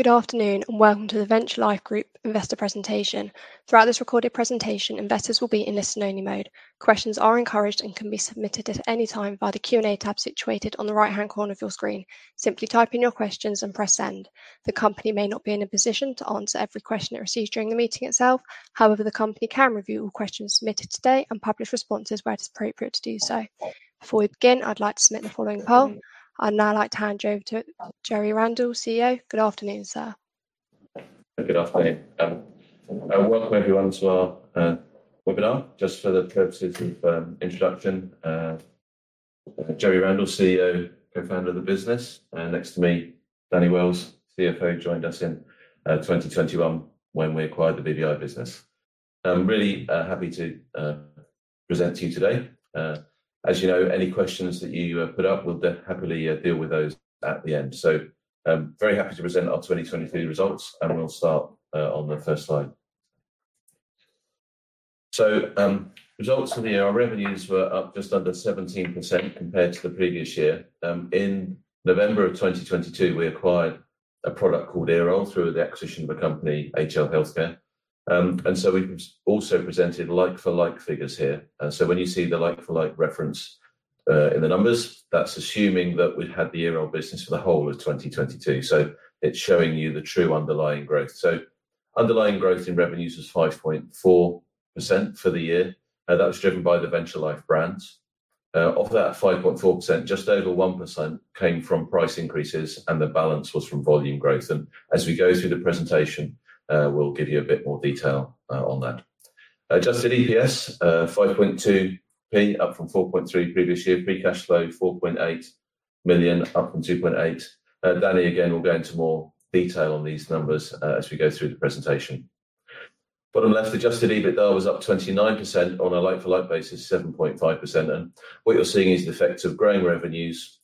Good afternoon, and welcome to the Venture Life Group investor presentation. Throughout this recorded presentation, investors will be in listen-only mode. Questions are encouraged and can be submitted at any time via the Q&A tab situated on the right-hand corner of your screen. Simply type in your questions and press Send. The company may not be in a position to answer every question it receives during the meeting itself. However, the company can review all questions submitted today and publish responses where it is appropriate to do so. Before we begin, I'd like to submit the following poll. I'd now like to hand you over to Jerry Randall, CEO. Good afternoon, sir. Good afternoon, and welcome everyone to our webinar. Just for the purposes of introduction, Jerry Randall, CEO, co-founder of the business, and next to me, Daniel Wells, CFO, joined us in 2021 when we acquired the BBI business. I'm really happy to present to you today. As you know, any questions that you put up, we'll definitely happily deal with those at the end. So, I'm very happy to present our 2023 results, and we'll start on the first slide. So, results for the year, our revenues were up just under 17% compared to the previous year. In November of 2022, we acquired a product called Earol through the acquisition of a company, HL Healthcare. And so we've also presented like-for-like figures here. And so when you see the like-for-like reference in the numbers, that's assuming that we've had the Earol business for the whole of 2022, so it's showing you the true underlying growth. So underlying growth in revenues was 5.4% for the year, and that was driven by the Venture Life brands. Of that 5.4%, just over 1% came from price increases, and the balance was from volume growth. And as we go through the presentation, we'll give you a bit more detail on that. Adjusted EPS 5.2p up from 4.3 previous year. Free cash flow, 4.8 million, up from 2.8. Danny, again, will go into more detail on these numbers as we go through the presentation. Bottom left, Adjusted EBITDA was up 29% on a like-for-like basis, 7.5%, and what you're seeing is the effects of growing revenues,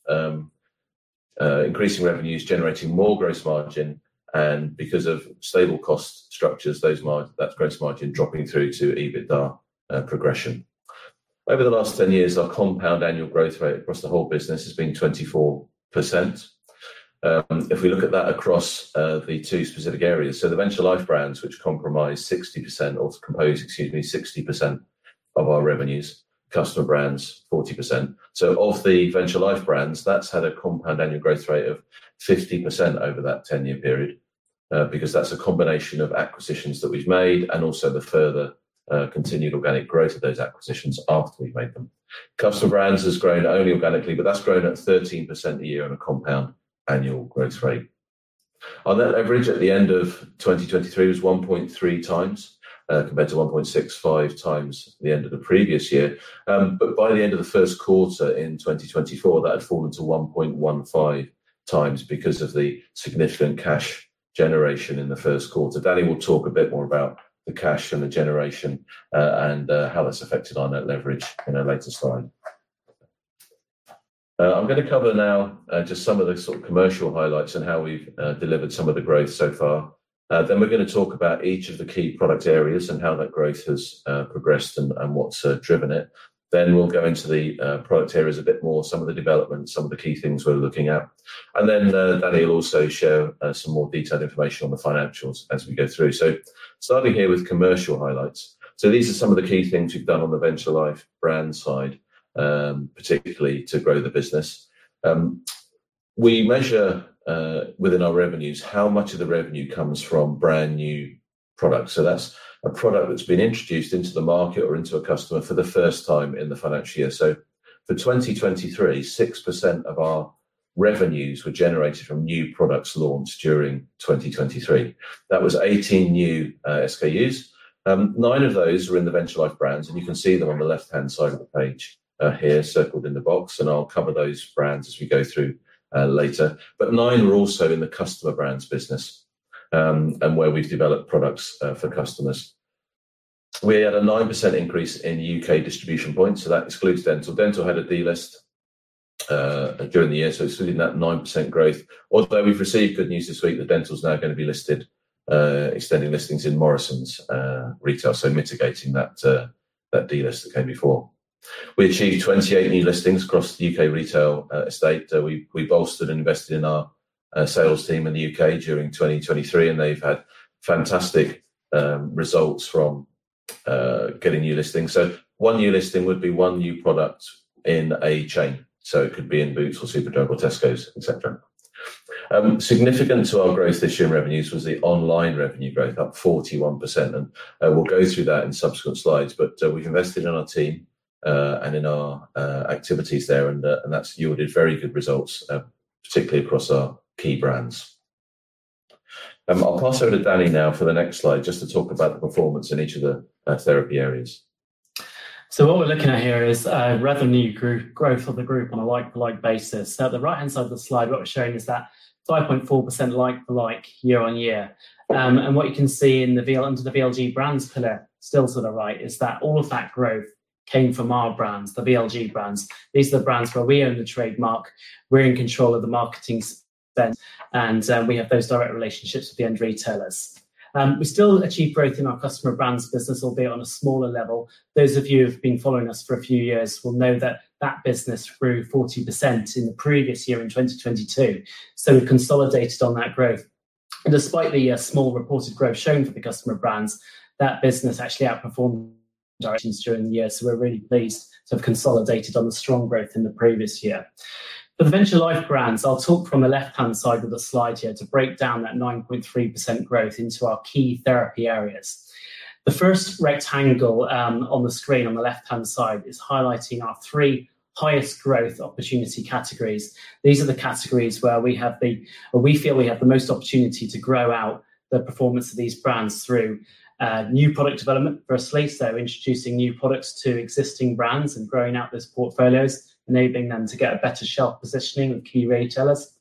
increasing revenues, generating more gross margin, and because of stable cost structures, that gross margin dropping through to EBITDA progression. Over the last 10 years, our compound annual growth rate across the whole business has been 24%. If we look at that across the two specific areas, so the Venture Life brands, which comprise 60% of our revenues, customer brands, 40%. So of the Venture Life brands, that's had a compound annual growth rate of 50% over that 10-year period, because that's a combination of acquisitions that we've made and also the further continued organic growth of those acquisitions after we've made them. Customer brands has grown only organically, but that's grown at 13% a year on a compound annual growth rate. Our net leverage at the end of 2023 was 1.3 times, compared to 1.65 times the end of the previous year. But by the end of the first quarter in 2024, that had fallen to 1.15 times because of the significant cash generation in the first quarter. Danny will talk a bit more about the cash and the generation, and, how that's affected our net leverage in a later slide. I'm gonna cover now, just some of the sort of commercial highlights and how we've, delivered some of the growth so far. Then we're gonna talk about each of the key product areas and how that growth has progressed and what's driven it. Then we'll go into the product areas a bit more, some of the developments, some of the key things we're looking at. And then Danny will also show some more detailed information on the financials as we go through. So starting here with commercial highlights. So these are some of the key things we've done on the Venture Life brand side, particularly to grow the business. We measure within our revenues, how much of the revenue comes from brand new products. So that's a product that's been introduced into the market or into a customer for the first time in the financial year. So for 2023, 6% of our revenues were generated from new products launched during 2023. That was 18 new SKUs. Nine of those were in the Venture Life brands, and you can see them on the left-hand side of the page here, circled in the box, and I'll cover those brands as we go through later. But nine were also in the customer brands business, and where we've developed products for customers. We had a 9% increase in UK distribution points, so that excludes Dentyl. Dentyl had a delist during the year, so excluding that 9% growth. Although, we've received good news this week that Dentyl is now gonna be listed, extending listings in Morrisons retail, so mitigating that that delist that came before. We achieved 28 new listings across the UK retail estate. We bolstered and invested in our sales team in the UK during 2023, and they've had fantastic results from getting new listings. So one new listing would be one new product in a chain, so it could be in Boots or Superdrug or Tesco, et cetera. Significant to our growth this year in revenues was the online revenue growth, up 41%, and we'll go through that in subsequent slides. But we've invested in our team and in our activities there, and that's yielded very good results, particularly across our key brands. I'll pass over to Danny now for the next slide, just to talk about the performance in each of the therapy areas. So what we're looking at here is revenue growth of the group on a like-for-like basis. Now, the right-hand side of the slide, what we're showing is that 5.4% like-for-like year-on-year. And what you can see in the VL, under the VLG brands pillar, still to the right, is that all of that growth came from our brands, the VLG brands. These are the brands where we own the trademark, we're in control of the marketing spend, and we have those direct relationships with the end retailers. We still achieve growth in our customer brands business, albeit on a smaller level. Those of you who've been following us for a few years will know that that business grew 40% in the previous year in 2022. So we've consolidated on that growth. Despite the small reported growth shown for the customer brands, that business actually outperformed projections during the year, so we're really pleased to have consolidated on the strong growth in the previous year. For the Venture Life brands, I'll talk from the left-hand side of the slide here to break down that 9.3% growth into our key therapy areas. The first rectangle on the screen on the left-hand side is highlighting our three highest growth opportunity categories. These are the categories where we have where we feel we have the most opportunity to grow out the performance of these brands through new product development. Firstly, so introducing new products to existing brands and growing out those portfolios, enabling them to get a better shelf positioning with key retailers.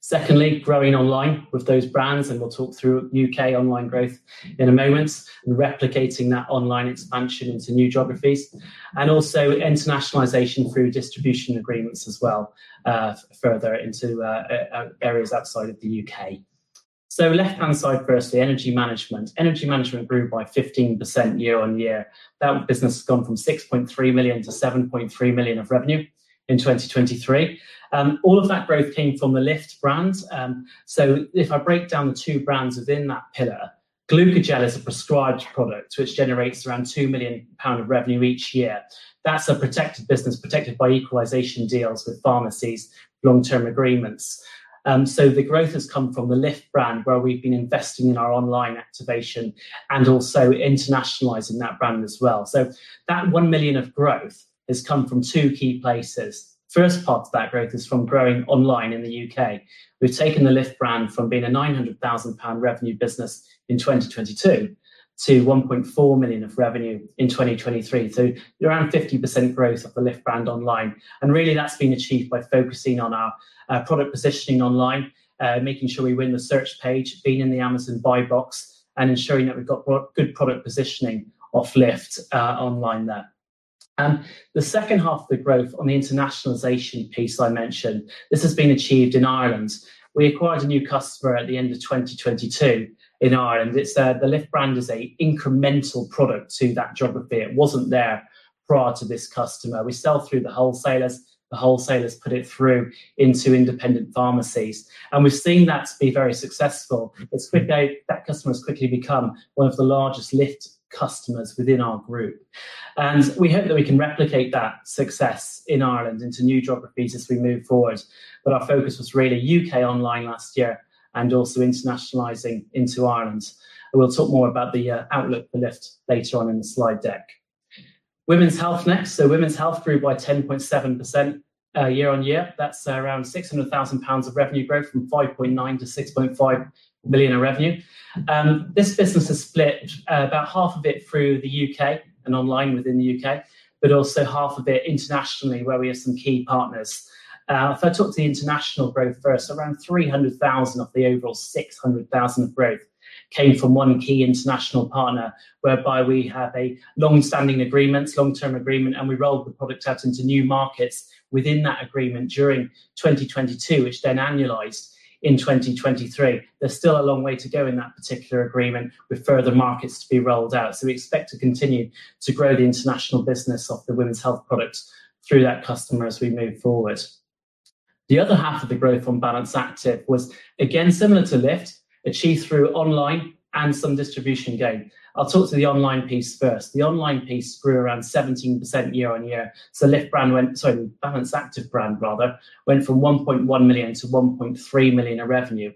Secondly, growing online with those brands, and we'll talk through UK online growth in a moment, and replicating that online expansion into new geographies, and also internationalization through distribution agreements as well, further into areas outside of the UK. So left-hand side, firstly, energy management. Energy management grew by 15% year-on-year. That business has gone from 6.3 million to 7.3 million of revenue in 2023, and all of that growth came from the Lift brand. So if I break down the two brands within that pillar, Glucogel is a prescribed product, which generates around 2 million pound of revenue each year. That's a protected business, protected by equalization deals with pharmacies, long-term agreements. So the growth has come from the Lift brand, where we've been investing in our online activation and also internationalizing that brand as well. So that 1 million of growth has come from two key places. First part of that growth is from growing online in the UK. We've taken the Lift brand from being a 900,000 pound revenue business in 2022 to 1.4 million of revenue in 2023. So around 50% growth of the Lift brand online, and really, that's been achieved by focusing on our product positioning online, making sure we win the search page, being in the Amazon Buy Box, and ensuring that we've got good product positioning of Lift online there. The second half of the growth on the internationalization piece I mentioned, this has been achieved in Ireland. We acquired a new customer at the end of 2022 in Ireland. It's the Lift brand is an incremental product to that geography. It wasn't there prior to this customer. We sell through the wholesalers. The wholesalers put it through into independent pharmacies, and we've seen that to be very successful. It's quickly that customer has quickly become one of the largest Lift customers within our group, and we hope that we can replicate that success in Ireland into new geographies as we move forward. But our focus was really U.K. online last year and also internationalizing into Ireland, and we'll talk more about the outlook for Lift later on in the slide deck. Women's Health next. So Women's Health grew by 10.7%, year-on-year. That's around 600,000 pounds of revenue growth, from 5.9 million to 6.5 million in revenue. This business is split, about half of it through the UK and online within the UK, but also half of it internationally, where we have some key partners. If I talk to the international growth first, around 300,000 of the overall 600,000 growth came from one key international partner, whereby we have a long-standing agreement, long-term agreement, and we rolled the product out into new markets within that agreement during 2022, which then annualized in 2023. There's still a long way to go in that particular agreement, with further markets to be rolled out. So we expect to continue to grow the international business of the Women's Health products through that customer as we move forward. The other half of the growth on Balance Activ was, again, similar to Lift, achieved through online and some distribution gain. I'll talk to the online piece first. The online piece grew around 17% year-on-year, so Lift brand went... Sorry, Balance Activ brand rather, went from 1.1 million to 1.3 million in revenue.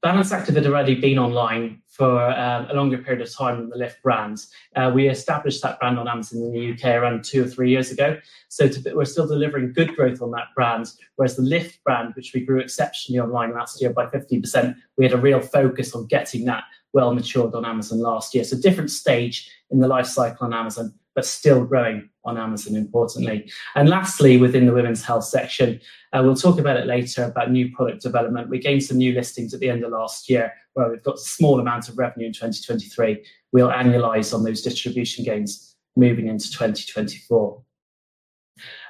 Balance Activ had already been online for a longer period of time than the Lift brands. We established that brand on Amazon in the UK around 2 or 3 years ago, so we're still delivering good growth on that brand, whereas the Lift brand, which we grew exceptionally online last year by 50%, we had a real focus on getting that well matured on Amazon last year. So different stage in the life cycle on Amazon, but still growing on Amazon, importantly. And lastly, within the Women's Health section, and we'll talk about it later, about new product development. We gained some new listings at the end of last year, where we've got small amounts of revenue in 2023. We'll annualize on those distribution gains moving into 2024.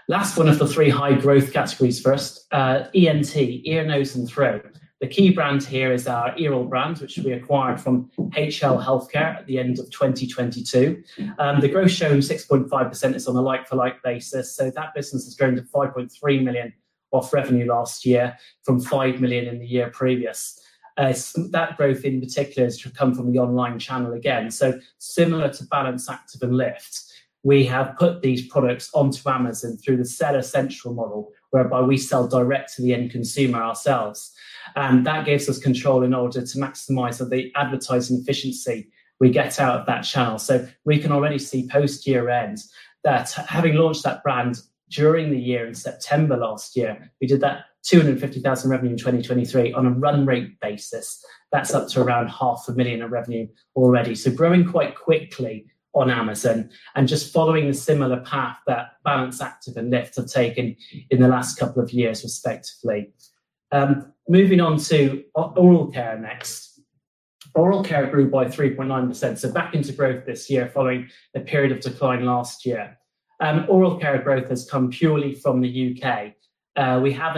Last one of the three high growth categories for us, ENT, ear, nose, and throat. The key brand here is our Earol brand, which we acquired from HL Healthcare at the end of 2022. The growth shown, 6.5%, is on a like-for-like basis, so that business has grown to 5.3 million of revenue last year from 5 million in the year previous. That growth in particular has come from the online channel again. So similar to Balance Activ and Lift, we have put these products onto Amazon through the Seller Central model, whereby we sell direct to the end consumer ourselves, and that gives us control in order to maximize on the advertising efficiency we get out of that channel. So we can already see post-year-end, that having launched that brand during the year, in September last year, we did 250,000 revenue in 2023 on a run rate basis. That's up to around GBP 500,000 in revenue already. So growing quite quickly on Amazon and just following a similar path that Balance Activ and Lift have taken in the last couple of years, respectively. Moving on to oral care next. Oral care grew by 3.9%, so back into growth this year following a period of decline last year. Oral care growth has come purely from the UK. We have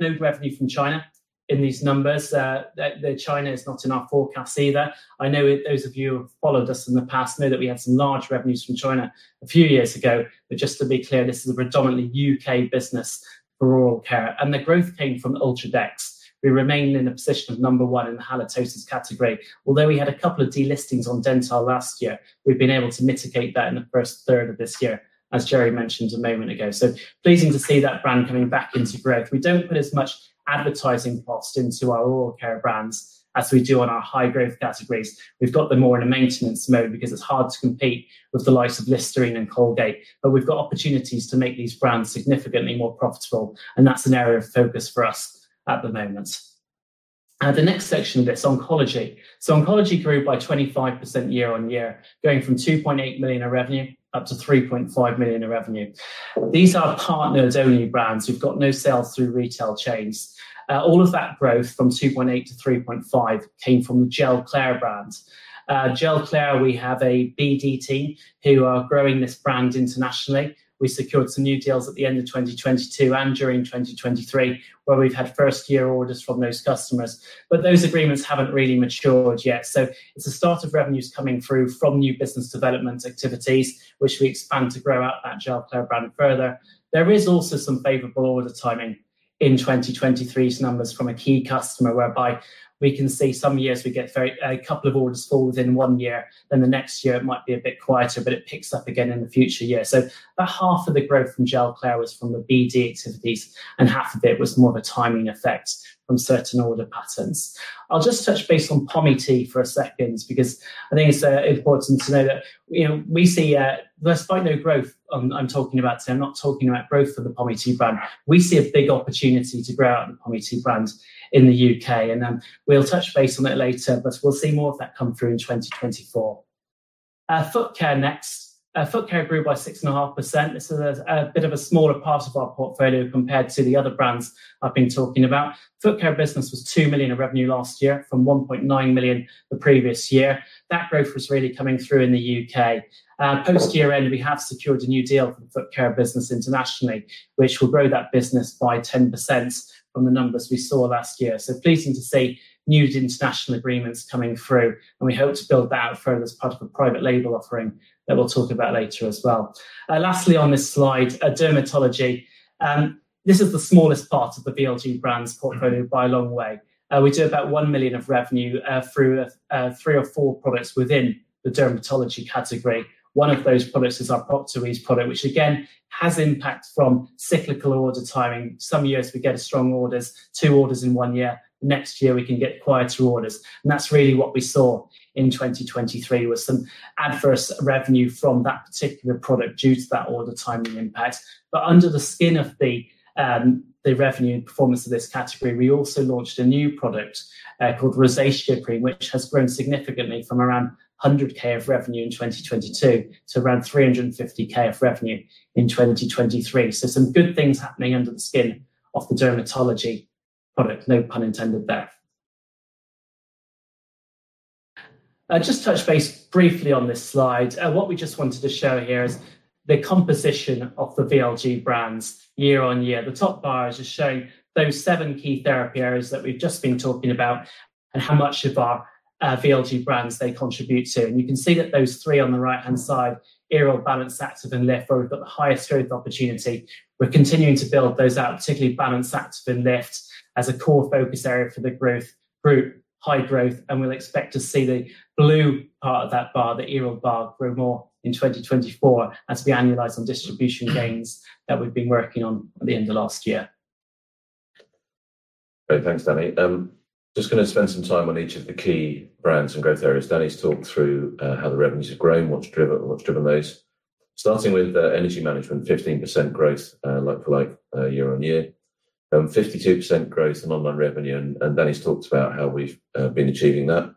no revenue from China in these numbers. China is not in our forecast either. I know those of you who have followed us in the past know that we had some large revenues from China a few years ago, but just to be clear, this is a predominantly UK business for oral care, and the growth came from UltraDEX. We remain in a position of number one in the halitosis category. Although we had a couple of delistings on Dentyl last year, we've been able to mitigate that in the first third of this year, as Jerry mentioned a moment ago. So pleasing to see that brand coming back into growth. We don't put as much advertising cost into our oral care brands as we do on our high-growth categories. We've got them more in a maintenance mode because it's hard to compete with the likes of Listerine and Colgate, but we've got opportunities to make these brands significantly more profitable, and that's an area of focus for us at the moment. The next section is oncology. Oncology grew by 25% year-on-year, going from 2.8 million in revenue up to 3.5 million in revenue. These are partners-only brands. We've got no sales through retail chains. All of that growth from 2.8 million to 3.5 million came from the Gelclair brand. Gelclair, we have a BD team who are growing this brand internationally. We secured some new deals at the end of 2022 and during 2023, where we've had first-year orders from those customers, but those agreements haven't really matured yet. So it's the start of revenues coming through from new business development activities, which we expand to grow out that Gelclair brand further. There is also some favorable order timing in 2023's numbers from a key customer, whereby we can see some years we get a couple of orders fall within one year, then the next year it might be a bit quieter, but it picks up again in the future year. So about half of the growth from Gelclair was from the BD activities, and half of it was more of a timing effect from certain order patterns. I'll just touch base on Pomi-T for a second because I think it's important to know that, you know, we see there's quite no growth I'm talking about today. I'm not talking about growth for the Pomi-T brand. We see a big opportunity to grow out the Pomi-T brand in the UK, and we'll touch base on that later, but we'll see more of that come through in 2024. Foot care next. Foot care grew by 6.5%. This is a bit of a smaller part of our portfolio compared to the other brands I've been talking about. Foot care business was 2 million in revenue last year from 1.9 million the previous year. That growth was really coming through in the UK. Post-year end, we have secured a new deal for the foot care business internationally, which will grow that business by 10% from the numbers we saw last year. So pleasing to see new international agreements coming through, and we hope to build that out further as part of a private label offering that we'll talk about later as well. Lastly, on this slide, dermatology. This is the smallest part of the VLG Brands portfolio by a long way. We do about 1 million of revenue through three or four products within the dermatology category. One of those products is our Procto-R product, which again, has impact from cyclical order timing. Some years we get strong orders, two orders in one year. Next year, we can get quieter orders, and that's really what we saw in 2023, with some adverse revenue from that particular product due to that order timing impact. But under the skin of the revenue and performance of this category, we also launched a new product called Rosacea Cream, which has grown significantly from around 100,000 of revenue in 2022 to around 350,000 of revenue in 2023. So some good things happening under the skin of the dermatology product. No pun intended there. I'll just touch base briefly on this slide. What we just wanted to show here is the composition of the VLG brands year-over-year. The top bar is just showing those seven key therapy areas that we've just been talking about and how much of our VLG brands they contribute to. And you can see that those three on the right-hand side, oral, Balance Activ, and Lift, where we've got the highest growth opportunity. We're continuing to build those out, particularly Balance Activ, and Lift, as a core focus area for the growth group, high growth, and we'll expect to see the blue part of that bar, the oral bar, grow more in 2024 as we annualize on distribution gains that we've been working on at the end of last year. Great. Thanks, Danny. Just gonna spend some time on each of the key brands and growth areas. Danny's talked through how the revenues have grown, what's driven, what's driven those. Starting with energy management, 15% growth, like for like, year-on-year, and 52% growth in online revenue, and Danny's talked about how we've been achieving that.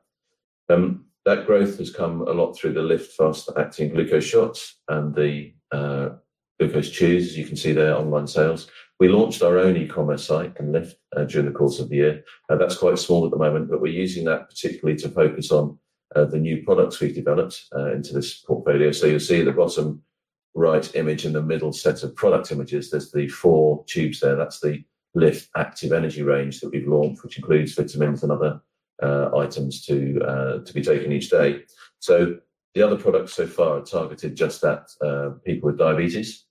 That growth has come a lot through the Lift fast-acting glucose shots and the glucose chews, as you can see there, online sales. We launched our own e-commerce site in Lift during the course of the year. That's quite small at the moment, but we're using that particularly to focus on the new products we've developed into this portfolio. So you'll see the bottom right image in the middle set of product images. There's the four tubes there. That's the Lift Active Energy range that we've launched, which includes vitamins and other items to be taken each day. So the other products so far are targeted just at people with diabetes,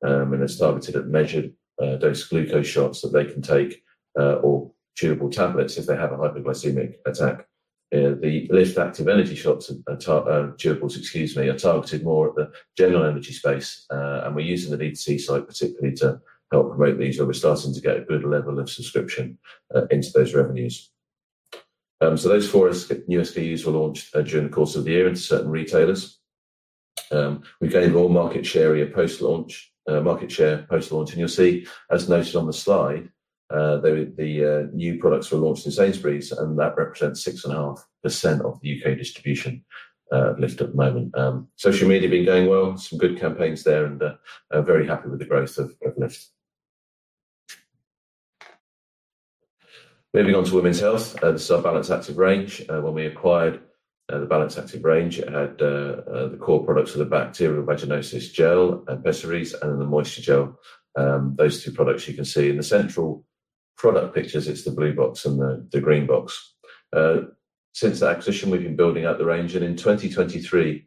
and it's targeted at measured dose glucose shots that they can take or chewable tablets if they have a hypoglycemic attack. The Lift Active Energy shots are chewables, excuse me, are targeted more at the general energy space. And we're using the D2C site particularly to help promote these, where we're starting to get a good level of subscription into those revenues. So those four new SKUs were launched during the course of the year in certain retailers. We gained more market share post-launch, and you'll see, as noted on the slide, the new products were launched in Sainsbury's, and that represents 6.5% of the UK distribution, Lift at the moment. Social media have been going well. Some good campaigns there, and very happy with the growth of Lift. Moving on to women's health, and so Balance Activ range. When we acquired the Balance Activ range, it had the core products for the bacterial vaginosis gel, and pessaries, and the moisture gel. Those two products you can see in the central product pictures, it's the blue box and the green box. Since the acquisition, we've been building out the range, and in 2023,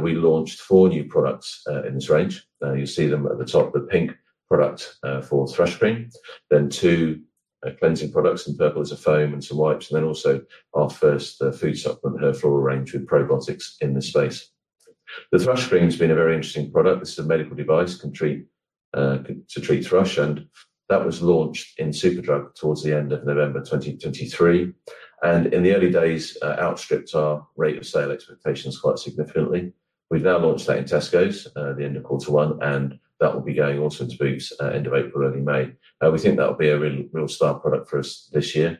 we launched 4 new products in this range. You see them at the top, the pink product, for thrush cream, then two, cleansing products, in purple is a foam and some wipes, and then also our first, food supplement, Her Flora range with probiotics in this space. The thrush cream has been a very interesting product. This is a medical device, can treat, to treat thrush, and that was launched in Superdrug towards the end of November 2023, and in the early days, outstripped our rate of sale expectations quite significantly. We've now launched that in Tesco, the end of quarter one, and that will be going also into Boots, end of April, early May. We think that'll be a really real star product for us this year,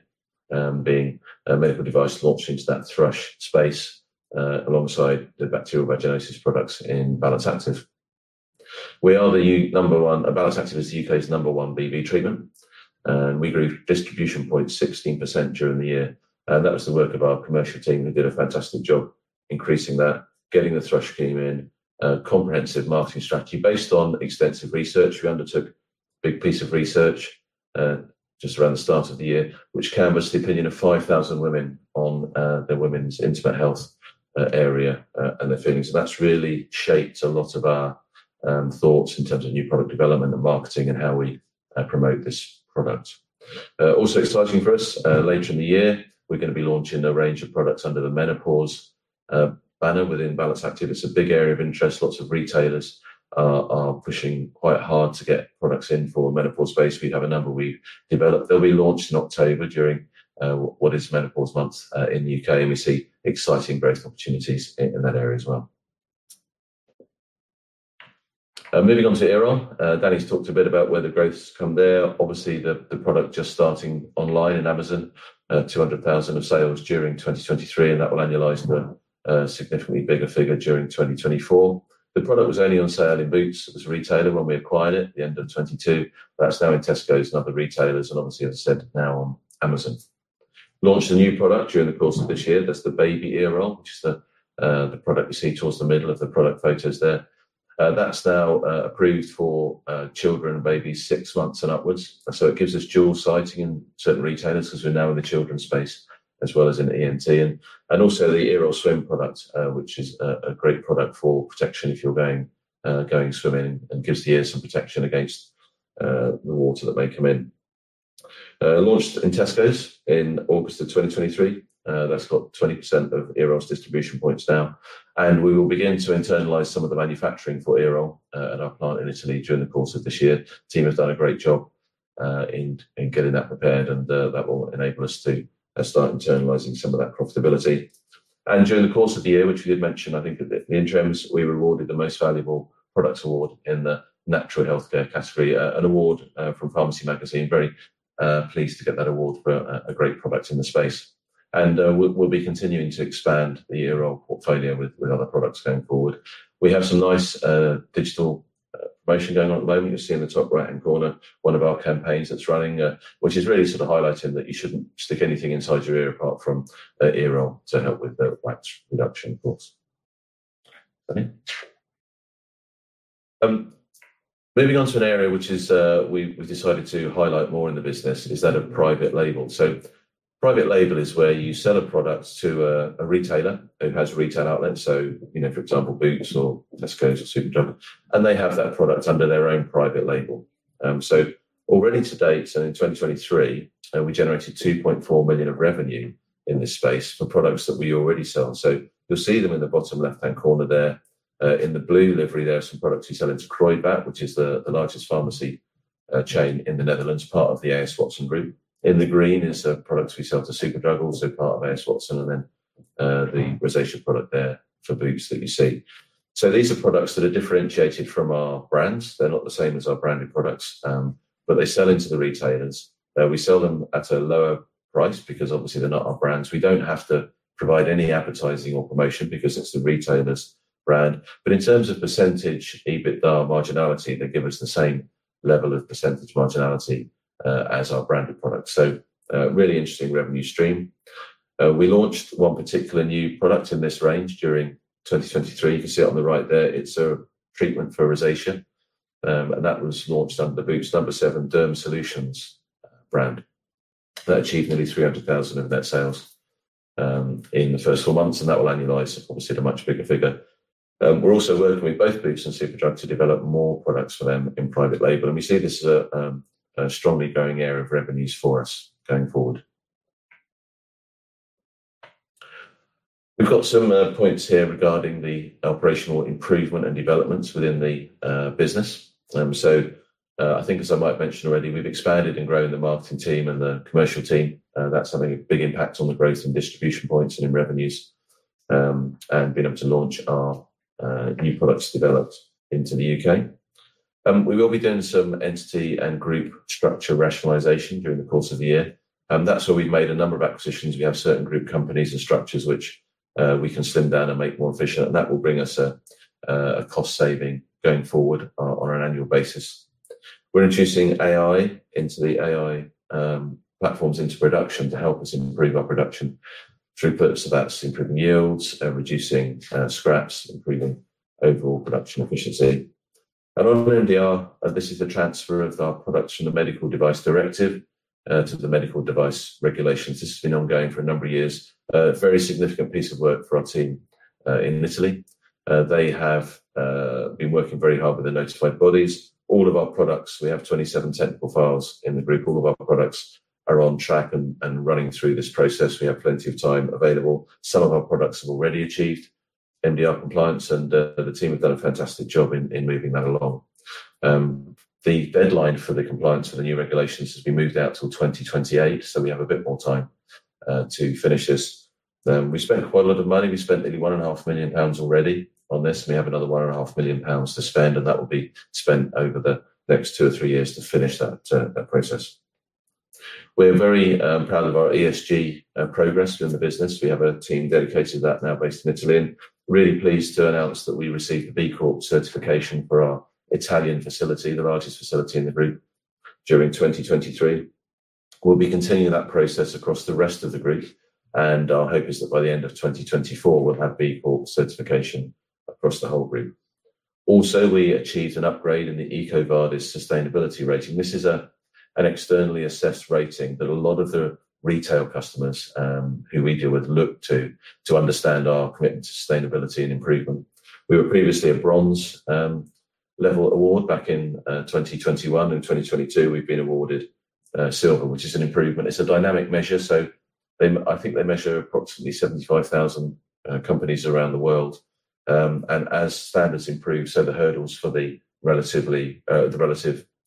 being a medical device launched into that thrush space, alongside the bacterial vaginosis products in Balance Activ. We are the UK number one. Balance Activ is the UK's number one BV treatment, and we grew distribution points 16% during the year, and that was the work of our commercial team, who did a fantastic job increasing that, getting the thrush cream in a comprehensive marketing strategy based on extensive research. We undertook a big piece of research just around the start of the year, which canvassed the opinion of 5,000 women on the women's intimate health area and their feelings. And that's really shaped a lot of our thoughts in terms of new product development and marketing and how we promote this product. Also exciting for us later in the year, we're gonna be launching a range of products under the menopause banner within Balance Activ. It's a big area of interest. Lots of retailers are pushing quite hard to get products in for the menopause space. We have a number we've developed. They'll be launched in October during what is Menopause Month in the UK, and we see exciting growth opportunities in that area as well. Moving on to Earol. Danny's talked a bit about where the growth's come there. Obviously, the product just starting online in Amazon, 200,000 of sales during 2023, and that will annualize to a significantly bigger figure during 2024. The product was only on sale in Boots as a retailer when we acquired it at the end of 2022. That's now in Tesco and other retailers, and obviously, as I said, now on Amazon. Launched a new product during the course of this year. That's the Baby Earol, which is the product you see towards the middle of the product photos there. That's now approved for children and babies six months and upwards. So it gives us dual sighting in certain retailers as we're now in the children's space, as well as in the ENT. And also the Earol Swim product, which is a great product for protection if you're going swimming, and gives the ear some protection against the water that may come in. Launched in Tesco in August of 2023. That's got 20% of Earol's distribution points now, and we will begin to internalize some of the manufacturing for Earol in our plant in Italy during the course of this year. team has done a great job in getting that prepared, and that will enable us to start internalizing some of that profitability. During the course of the year, which we did mention, I think at the interims, we were awarded the Most Valuable Products Award in the Natural Healthcare category. An award from Pharmacy Magazine. Very pleased to get that award for a great product in the space, and we'll be continuing to expand the Earol portfolio with other products going forward. We have some nice digital promotion going on at the moment. You'll see in the top right-hand corner one of our campaigns that's running, which is really sort of highlighting that you shouldn't stick anything inside your ear apart from Earol to help with the wax reduction, of course. Danny. Moving on to an area which is, we've, we've decided to highlight more in the business is that of private label. So private label is where you sell a product to a, a retailer who has a retail outlet. So, you know, for example, Boots or Tesco or Superdrug, and they have that product under their own private label. So already to date, and in 2023, we generated 2.4 million of revenue in this space for products that we already sell. So you'll see them in the bottom left-hand corner there, in the blue livery there, are some products we sell into Kruidvat, which is the, the largest pharmacy, chain in the Netherlands, part of the AS Watson Group. In the green is the products we sell to Superdrug, also part of AS Watson, and then, the rosacea product there for Boots that you see. So these are products that are differentiated from our brands. They're not the same as our branded products, but they sell into the retailers. We sell them at a lower price because obviously they're not our brands. We don't have to provide any advertising or promotion because it's the retailer's brand. But in terms of percentage, EBITDA, marginality, they give us the same level of percentage marginality, as our branded products. So, really interesting revenue stream. We launched one particular new product in this range during 2023. You can see it on the right there. It's a treatment for rosacea, and that was launched under the Boots No7 Derm Solutions brand. That achieved nearly 300,000 of net sales in the first 4 months, and that will annualize, obviously, to a much bigger figure. We're also working with both Boots and Superdrug to develop more products for them in private label, and we see this as a strongly growing area of revenues for us going forward. We've got some points here regarding the operational improvement and developments within the business. So, I think as I might mentioned already, we've expanded and grown the marketing team and the commercial team. That's having a big impact on the growth in distribution points and in revenues, and being able to launch our new products developed into the UK. We will be doing some entity and group structure rationalization during the course of the year. That's where we've made a number of acquisitions. We have certain group companies and structures which we can slim down and make more efficient, and that will bring us a cost saving going forward on an annual basis. We're introducing AI into the AI platforms into production to help us improve our production throughput. So that's improving yields, reducing scraps, improving overall production efficiency. And on MDR, this is the transfer of our products from the Medical Device Directive to the Medical Device Regulations. This has been ongoing for a number of years. Very significant piece of work for our team in Italy. They have been working very hard with the notified bodies. All of our products, we have 27 technical files in the group. All of our products are on track and running through this process. We have plenty of time available. Some of our products have already achieved MDR compliance, and the team have done a fantastic job in moving that along. The deadline for the compliance of the new regulations has been moved out till 2028, so we have a bit more time to finish this. We spent quite a lot of money. We spent nearly 1.5 million pounds already on this. We have another 1.5 million pounds to spend, and that will be spent over the next two or three years to finish that process. We're very proud of our ESG progress in the business. We have a team dedicated to that now based in Italy, and really pleased to announce that we received the B Corp certification for our Italian facility, the largest facility in the group, during 2023. We'll be continuing that process across the rest of the group, and our hope is that by the end of 2024, we'll have B Corp certification across the whole group. Also, we achieved an upgrade in the EcoVadis sustainability rating. This is an externally assessed rating that a lot of the retail customers who we deal with look to, to understand our commitment to sustainability and improvement. We were previously a bronze level award back in 2021. In 2022, we've been awarded silver, which is an improvement. It's a dynamic measure, so they, I think they measure approximately 75,000 companies around the world. And as standards improve, so the hurdles for the relative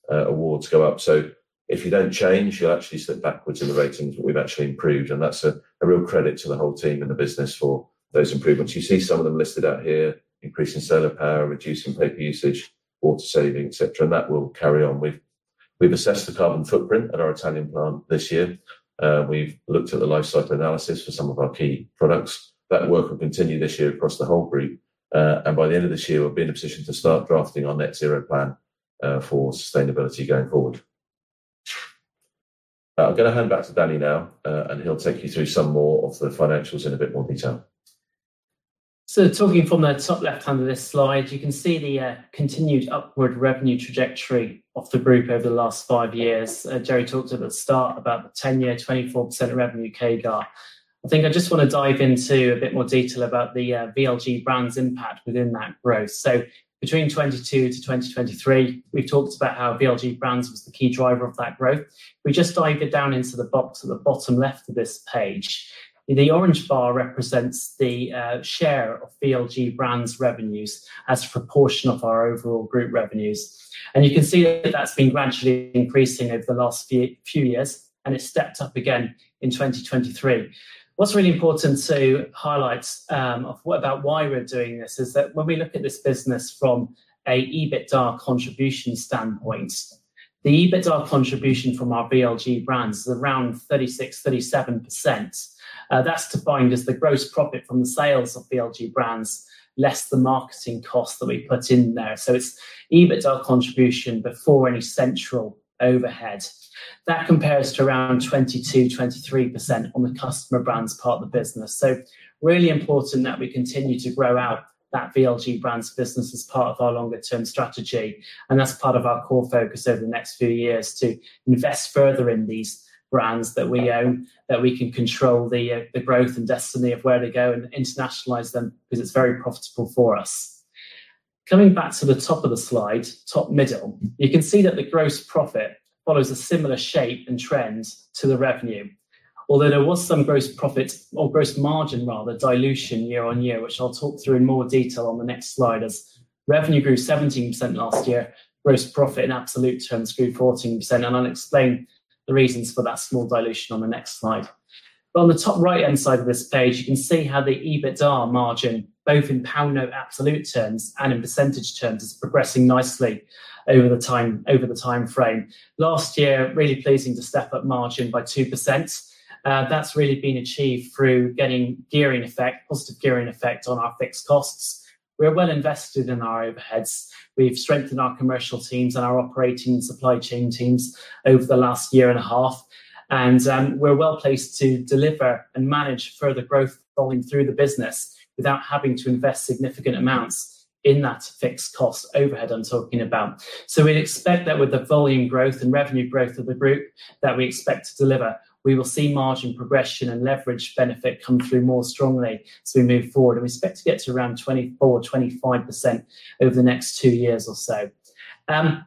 awards go up. So if you don't change, you'll actually slip backwards in the ratings, but we've actually improved, and that's a real credit to the whole team and the business for those improvements. You see some of them listed out here, increasing solar power, reducing paper usage, water saving, et cetera, and that will carry on. We've assessed the carbon footprint at our Italian plant this year. We've looked at the life cycle analysis for some of our key products. That work will continue this year across the whole group, and by the end of this year, we'll be in a position to start drafting our net zero plan for sustainability going forward. I'm going to hand back to Danny now, and he'll take you through some more of the financials in a bit more detail. So talking from the top left-hand of this slide, you can see the continued upward revenue trajectory of the group over the last five years. Jerry talked at the start about the 10-year, 24% revenue CAGR. I think I just want to dive into a bit more detail about the VLG Brands impact within that growth. So between 2022 to 2023, we've talked about how VLG Brands was the key driver of that growth. If we just dive down into the box at the bottom left of this page, the orange bar represents the share of VLG Brands revenues as a proportion of our overall group revenues, and you can see that that's been gradually increasing over the last few years, and it stepped up again in 2023. What's really important to highlight what about why we're doing this is that when we look at this business from an EBITDA contribution standpoint, the EBITDA contribution from our VLG brands is around 36-37%. That's defined as the gross profit from the sales of VLG brands, less the marketing cost that we put in there. So it's EBITDA contribution before any central overhead. That compares to around 22-23% on the customer brands part of the business. So really important that we continue to grow out that VLG brands business as part of our longer-term strategy, and that's part of our core focus over the next few years, to invest further in these brands that we own, that we can control the growth and destiny of where they go and internationalize them, because it's very profitable for us. Coming back to the top of the slide, top middle, you can see that the gross profit follows a similar shape and trend to the revenue. Although there was some gross profit or gross margin, rather, dilution year on year, which I'll talk through in more detail on the next slide, as revenue grew 17% last year, gross profit in absolute terms grew 14%, and I'll explain the reasons for that small dilution on the next slide. But on the top right-hand side of this page, you can see how the EBITDA margin, both in pounds in absolute terms and in percentage terms, is progressing nicely over the time, over the timeframe. Last year, really pleasing to step up margin by 2%. That's really been achieved through getting gearing effect, positive gearing effect on our fixed costs. We're well invested in our overheads. We've strengthened our commercial teams and our operating supply chain teams over the last year and a half, and, we're well placed to deliver and manage further growth rolling through the business without having to invest significant amounts in that fixed cost overhead I'm talking about. So we'd expect that with the volume growth and revenue growth of the group that we expect to deliver, we will see margin progression and leverage benefit come through more strongly as we move forward, and we expect to get to around 24%-25% over the next two years or so. Just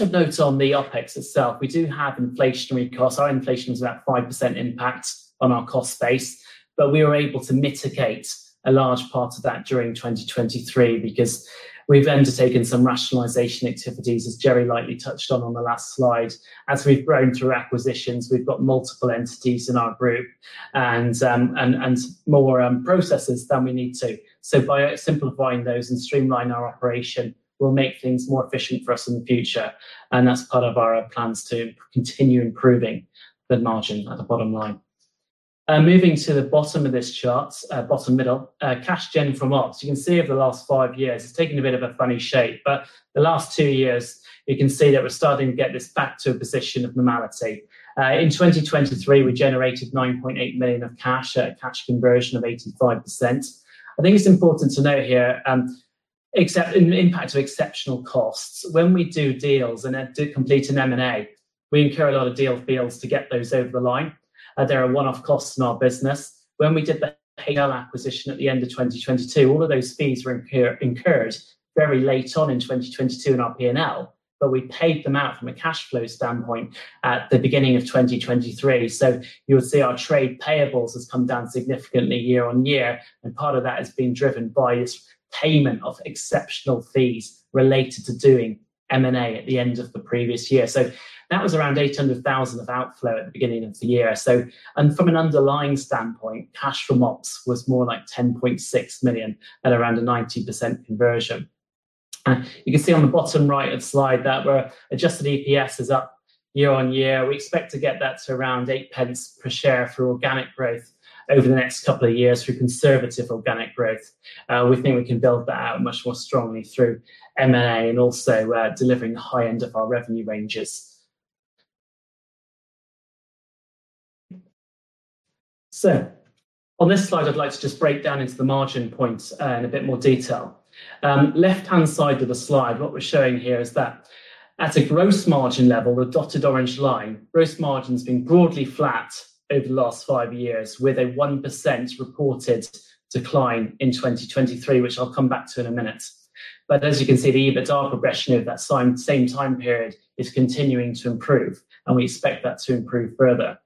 of note on the OpEx itself, we do have inflationary costs. Our inflation is about 5% impact on our cost base, but we were able to mitigate a large part of that during 2023 because we've undertaken some rationalization activities, as Jerry lightly touched on on the last slide. As we've grown through acquisitions, we've got multiple entities in our group and more processes than we need to. So by simplifying those and streamlining our operation, we'll make things more efficient for us in the future, and that's part of our plans to continue improving the margin at the bottom line. Moving to the bottom of this chart, bottom middle, cash gen from ops. You can see over the last five years, it's taken a bit of a funny shape, but the last two years, you can see that we're starting to get this back to a position of normality. In 2023, we generated 9.8 million of cash at a cash conversion of 85%. I think it's important to note here, excluding the impact of exceptional costs. When we do deals and then do complete an M&A, we incur a lot of deal fees to get those over the line, there are one-off costs in our business. When we did the HL acquisition at the end of 2022, all of those fees were incurred very late on in 2022 in our P&L, but we paid them out from a cash flow standpoint at the beginning of 2023. So you'll see our trade payables has come down significantly year-on-year, and part of that has been driven by this payment of exceptional fees related to doing M&A at the end of the previous year. So that was around 800,000 of outflow at the beginning of the year. So, and from an underlying standpoint, cash from ops was more like 10.6 million at around a 90% conversion. And you can see on the bottom right of slide that our Adjusted EPS is up year-on-year. We expect to get that to around 8 pence per share through organic growth over the next couple of years, through conservative organic growth. We think we can build that out much more strongly through M&A and also, delivering the high end of our revenue ranges. So on this slide, I'd like to just break down into the margin points, in a bit more detail. Left-hand side of the slide, what we're showing here is that at a gross margin level, the dotted orange line, gross margin's been broadly flat over the last five years, with a 1% reported decline in 2023, which I'll come back to in a minute. But as you can see, the EBITDA progression over that same time period is continuing to improve, and we expect that to improve further.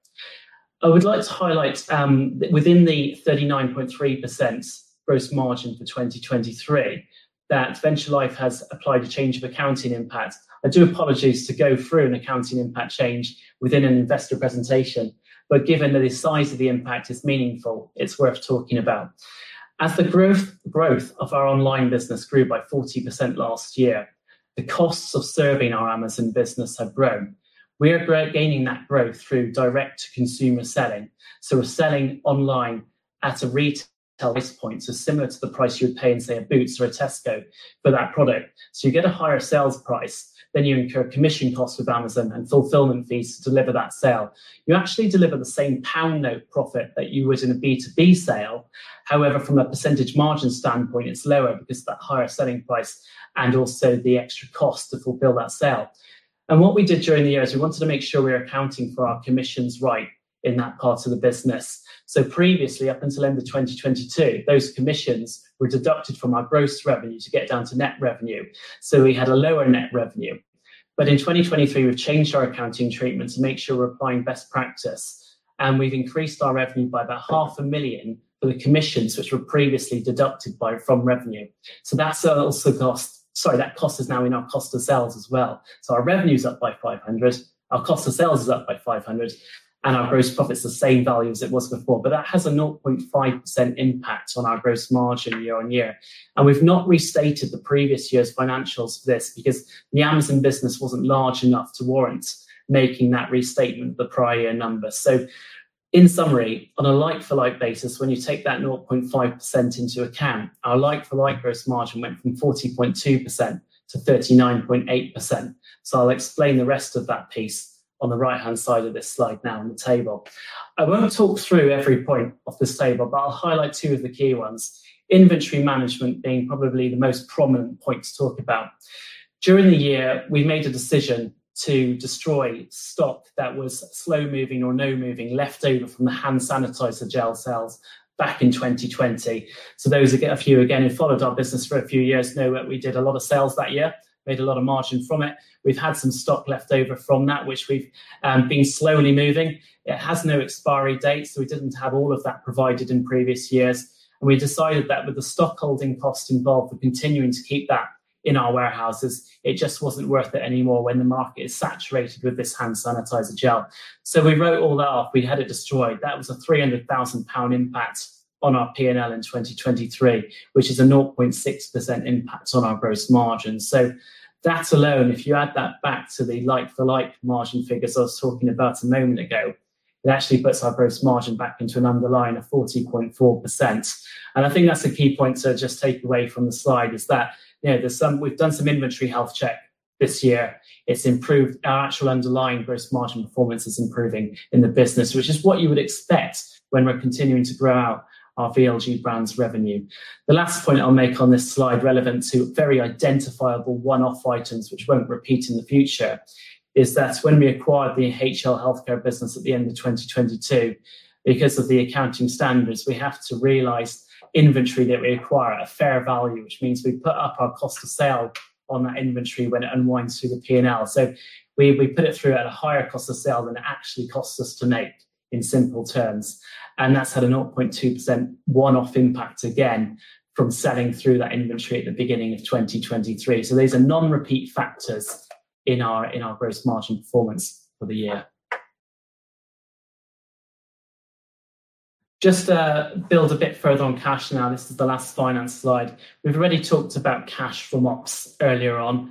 I would like to highlight within the 39.3% gross margin for 2023, that Venture Life has applied a change of accounting impact. I do apologize to go through an accounting impact change within an investor presentation, but given that the size of the impact is meaningful, it's worth talking about. As the growth of our online business grew by 40 last year, the costs of serving our Amazon business have grown. We are gaining that growth through direct to consumer selling, so we're selling online at a retail price point, so similar to the price you would pay in, say, a Boots or a Tesco for that product. So you get a higher sales price, then you incur commission costs with Amazon and fulfillment fees to deliver that sale. You actually deliver the same pound note profit that you would in a B2B sale. However, from a percentage margin standpoint, it's lower because of that higher selling price and also the extra cost to fulfill that sale. What we did during the year is we wanted to make sure we were accounting for our commissions right in that part of the business. So previously, up until the end of 2022, those commissions were deducted from our gross revenue to get down to net revenue, so we had a lower net revenue. But in 2023, we've changed our accounting treatment to make sure we're applying best practice, and we've increased our revenue by about 500,000 for the commissions, which were previously deducted by from revenue. So that's also cost... Sorry, that cost is now in our cost of sales as well. So our revenue's up by 500,000, our cost of sales is up by 500,000, and our gross profit is the same value as it was before, but that has a 0.5% impact on our gross margin year-on-year. We've not restated the previous year's financials this, because the Amazon business wasn't large enough to warrant making that restatement of the prior year number. So in summary, on a like-for-like basis, when you take that 0.5% into account, our like-for-like gross margin went from 40.2% to 39.8%. So I'll explain the rest of that piece on the right-hand side of this slide now in the table. I won't talk through every point of this table, but I'll highlight two of the key ones, inventory management being probably the most prominent point to talk about. During the year, we made a decision to destroy stock that was slow-moving or no moving, left over from the hand sanitizer gel sales back in 2020. So those of you, again, who followed our business for a few years know that we did a lot of sales that year, made a lot of margin from it. We've had some stock left over from that, which we've been slowly moving. It has no expiry date, so we didn't have all of that provided in previous years. And we decided that with the stock holding cost involved for continuing to keep that in our warehouses, it just wasn't worth it anymore when the market is saturated with this hand sanitizer gel. So we wrote all that off. We had it destroyed. That was a 300,000 pound impact on our P&L in 2023, which is a 0.6% impact on our gross margin. So that alone, if you add that back to the like-for-like margin figures I was talking about a moment ago, it actually puts our gross margin back into an underlying of 40.4%. And I think that's a key point to just take away from the slide, is that, you know, there's some, we've done some inventory health check this year. It's improved. Our actual underlying gross margin performance is improving in the business, which is what you would expect when we're continuing to grow out our VLG brand's revenue. The last point I'll make on this slide, relevant to very identifiable one-off items, which won't repeat in the future, is that when we acquired the HL Healthcare business at the end of 2022, because of the accounting standards, we have to realize inventory that we acquire at a fair value, which means we put up our cost of sale on that inventory when it unwinds through the P&L. So we, we put it through at a higher cost of sale than it actually costs us to make, in simple terms, and that's had a 0.2% one-off impact again from selling through that inventory at the beginning of 2023. So these are non-repeat factors in our, in our gross margin performance for the year. Just to build a bit further on cash now, this is the last finance slide. We've already talked about cash from ops earlier on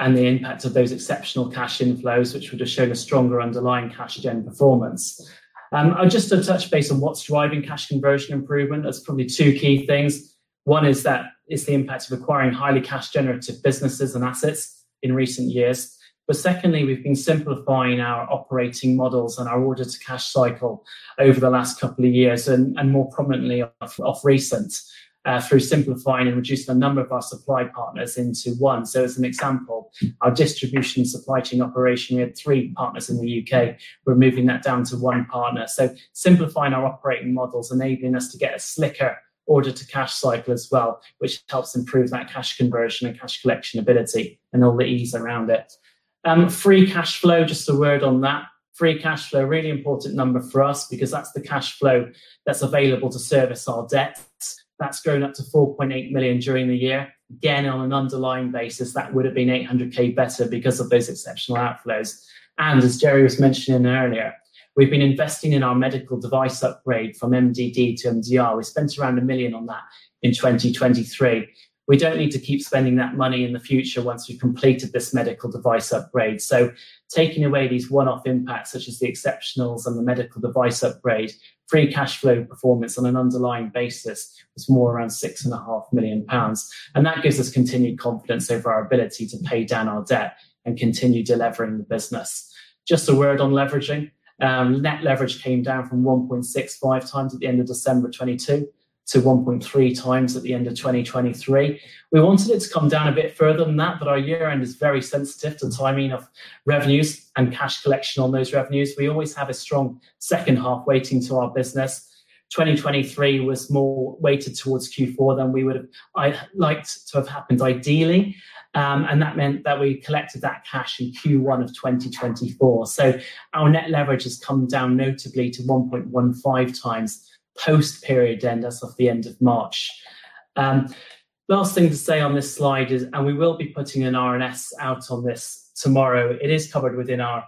and the impact of those exceptional cash inflows, which would have shown a stronger underlying cash gen performance. I'll just touch base on what's driving cash conversion improvement. There's probably two key things. One is that it's the impact of acquiring highly cash generative businesses and assets in recent years. But secondly, we've been simplifying our operating models and our order to cash cycle over the last couple of years, and more prominently of recent, through simplifying and reducing the number of our supply partners into one. So as an example, our distribution supply chain operation, we had three partners in the UK. We're moving that down to one partner. So simplifying our operating models, enabling us to get a slicker order to cash cycle as well, which helps improve that cash conversion and cash collection ability, and all the ease around it. Free cash flow, just a word on that. Free cash flow, a really important number for us because that's the cash flow that's available to service our debts. That's grown up to 4.8 million during the year. Again, on an underlying basis, that would have been 800K better because of those exceptional outflows. And as Jerry was mentioning earlier, we've been investing in our medical device upgrade from MDD to MDR. We spent around 1 million on that in 2023. We don't need to keep spending that money in the future once we've completed this medical device upgrade. So taking away these one-off impacts, such as the exceptionals and the medical device upgrade, free cash flow performance on an underlying basis is more around 6.5 million pounds, and that gives us continued confidence over our ability to pay down our debt and continue delivering the business. Just a word on leveraging. Net leverage came down from 1.65 times at the end of December 2022 to 1.3 times at the end of 2023. We wanted it to come down a bit further than that, but our year-end is very sensitive to timing of revenues and cash collection on those revenues. We always have a strong second half weighting to our business. 2023 was more weighted towards Q4 than we would have—I'd liked to have happened ideally, and that meant that we collected that cash in Q1 of 2024. So our net leverage has come down notably to 1.15 times post-period end as of the end of March. Last thing to say on this slide is, and we will be putting an RNS out on this tomorrow. It is covered within our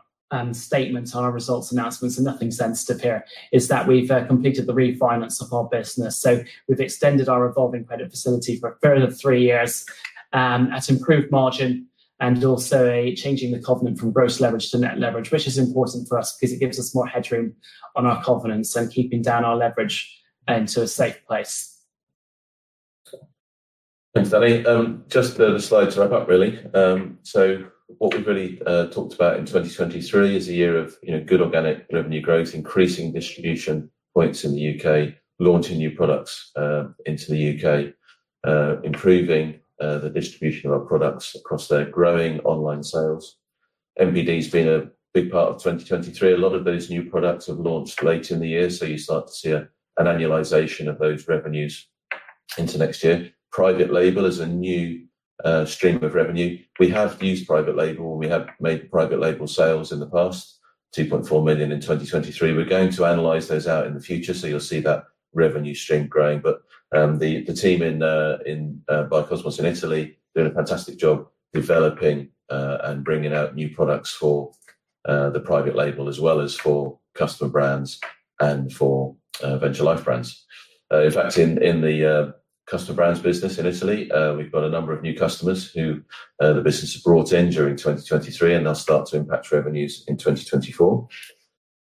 statements, our results announcements, and nothing sensitive here, is that we've completed the refinance of our business. So we've extended our revolving credit facility for a period of 3 years at improved margin, and also a changing the covenant from gross leverage to net leverage, which is important for us because it gives us more headroom on our covenants and keeping down our leverage into a safe place. Thanks, Danny. Just the slide to wrap up, really. So what we really talked about in 2023 is a year of, you know, good organic revenue growth, increasing distribution points in the UK, launching new products into the UK, improving the distribution of our products across there, growing online sales. NPD's been a big part of 2023. A lot of those new products have launched late in the year, so you start to see an annualization of those revenues into next year. Private label is a new stream of revenue. We have used private label, and we have made private label sales in the past, 2.4 million in 2023. We're going to analyze those out in the future, so you'll see that revenue stream growing. But, the team in Biokosmes in Italy, doing a fantastic job developing and bringing out new products for the private label, as well as for customer brands and for Venture Life brands. In fact, in the customer brands business in Italy, we've got a number of new customers who the business has brought in during 2023, and they'll start to impact revenues in 2024.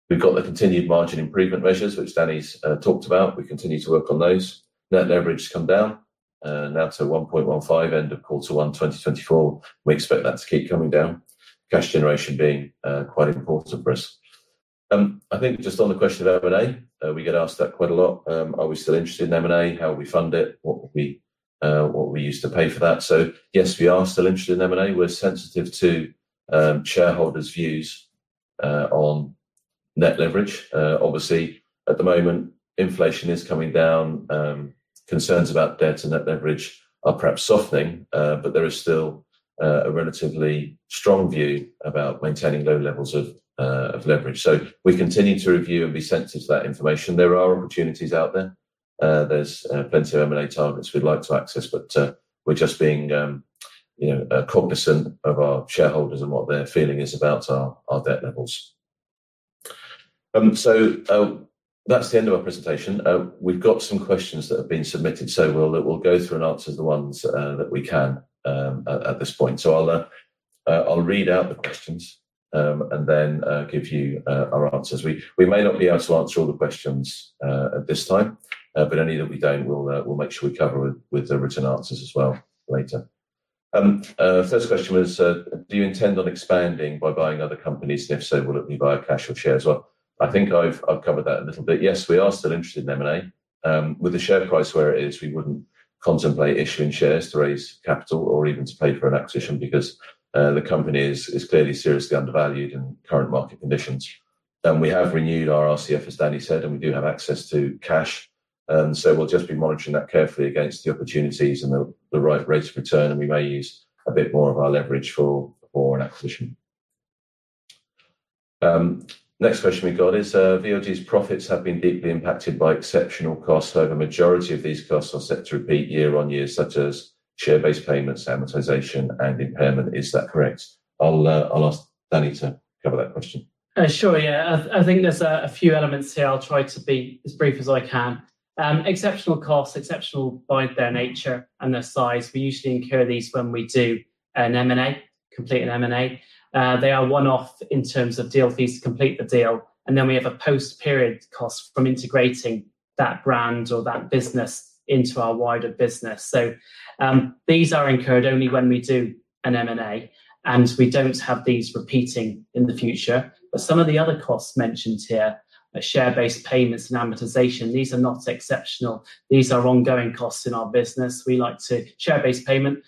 We've got the continued margin improvement measures, which Danny's talked about. We continue to work on those. Net leverage has come down now to 1.15, end of Q1 2024. We expect that to keep coming down. Cash generation being quite important for us. I think just on the question of M&A, we get asked that quite a lot. Are we still interested in M&A? How will we fund it? What would we, what we use to pay for that? So yes, we are still interested in M&A. We're sensitive to, shareholders' views, on net leverage. Obviously, at the moment, inflation is coming down, concerns about debt and net leverage are perhaps softening, but there is still, a relatively strong view about maintaining low levels of, of leverage. So we continue to review and be sensitive to that information. There are opportunities out there. There's, plenty of M&A targets we'd like to access, but, we're just being, you know, cognizant of our shareholders and what their feeling is about our, our debt levels. So, that's the end of our presentation. We've got some questions that have been submitted, so we'll go through and answer the ones that we can at this point. So I'll read out the questions and then give you our answers. We may not be able to answer all the questions at this time, but any that we don't, we'll make sure we cover with the written answers as well later. First question was, "Do you intend on expanding by buying other companies? And if so, will it be via cash or shares?" Well, I think I've covered that a little bit. Yes, we are still interested in M&A. With the share price where it is, we wouldn't contemplate issuing shares to raise capital or even to pay for an acquisition because the company is clearly seriously undervalued in current market conditions. And we have renewed our RCF, as Danny said, and we do have access to cash. And so we'll just be monitoring that carefully against the opportunities and the right rates of return, and we may use a bit more of our leverage for an acquisition. Next question we got is, "VLG's profits have been deeply impacted by exceptional costs, though the majority of these costs are set to repeat year on year, such as share-based payments, amortization, and impairment. Is that correct?" I'll ask Danny to cover that question. Sure. Yeah. I think there's a few elements here. I'll try to be as brief as I can. Exceptional costs, exceptional by their nature and their size. We usually incur these when we do an M&A, complete an M&A. They are one-off in terms of deal fees to complete the deal, and then we have a post-period cost from integrating that brand or that business into our wider business. So, these are incurred only when we do an M&A, and we don't have these repeating in the future. But some of the other costs mentioned here are share-based payments and amortization. These are not exceptional. These are ongoing costs in our business. We like to share-based payment.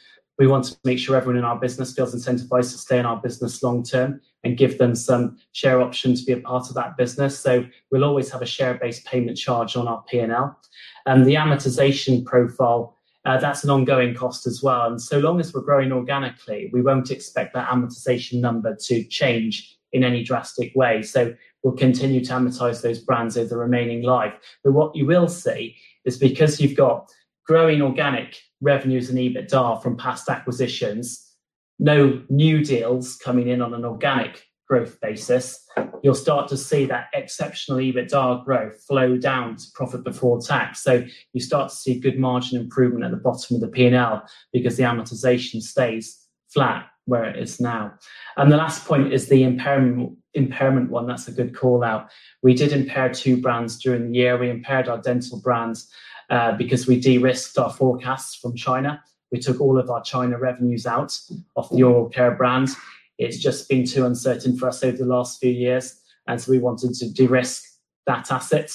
We want to make sure everyone in our business feels incentivized to stay in our business long term and give them some share option to be a part of that business. So we'll always have a share-based payment charge on our P&L. And the amortization profile, that's an ongoing cost as well. And so long as we're growing organically, we won't expect that amortization number to change in any drastic way. So we'll continue to amortize those brands over the remaining life. But what you will see is because you've got growing organic revenues and EBITDA from past acquisitions, no new deals coming in on an organic growth basis, you'll start to see that exceptional EBITDA growth flow down to profit before tax. So you start to see good margin improvement at the bottom of the P&L because the amortization stays flat where it is now. The last point is the impairment, impairment one, that's a good call-out. We did impair two brands during the year. We impaired our Dentyl brands because we de-risked our forecasts from China. We took all of our China revenues out of the oral care brands. It's just been too uncertain for us over the last few years, and so we wanted to de-risk that asset.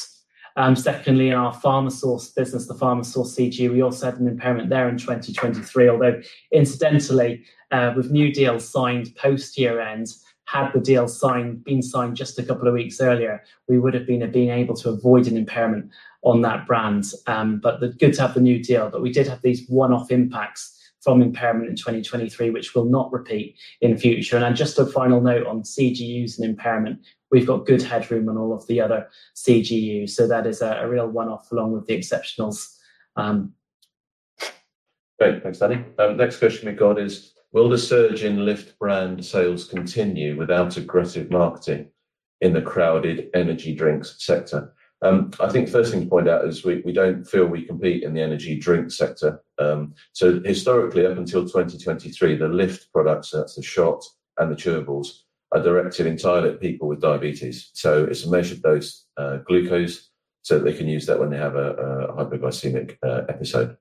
Secondly, in our Pharmasource business, the Pharmasource CGU, we also had an impairment there in 2023. Although incidentally, with new deals signed post-year end, had the deal been signed just a couple of weeks earlier, we would have been able to avoid an impairment on that brand. But it's good to have the new deal, but we did have these one-off impacts from impairment in 2023, which will not repeat in future. Just a final note on CGUs and impairment, we've got good headroom on all of the other CGUs, so that is a real one-off along with the exceptionals. Great. Thanks, Danny. Next question we've got is, will the surge in Lift brand sales continue without aggressive marketing in the crowded energy drinks sector? I think first thing to point out is we don't feel we compete in the energy drink sector. So historically, up until 2023, the Lift products, that's the shot, and the chewables, are directed entirely at people with diabetes. So it's a measured dose, glucose, so they can use that when they have a hypoglycemic episode.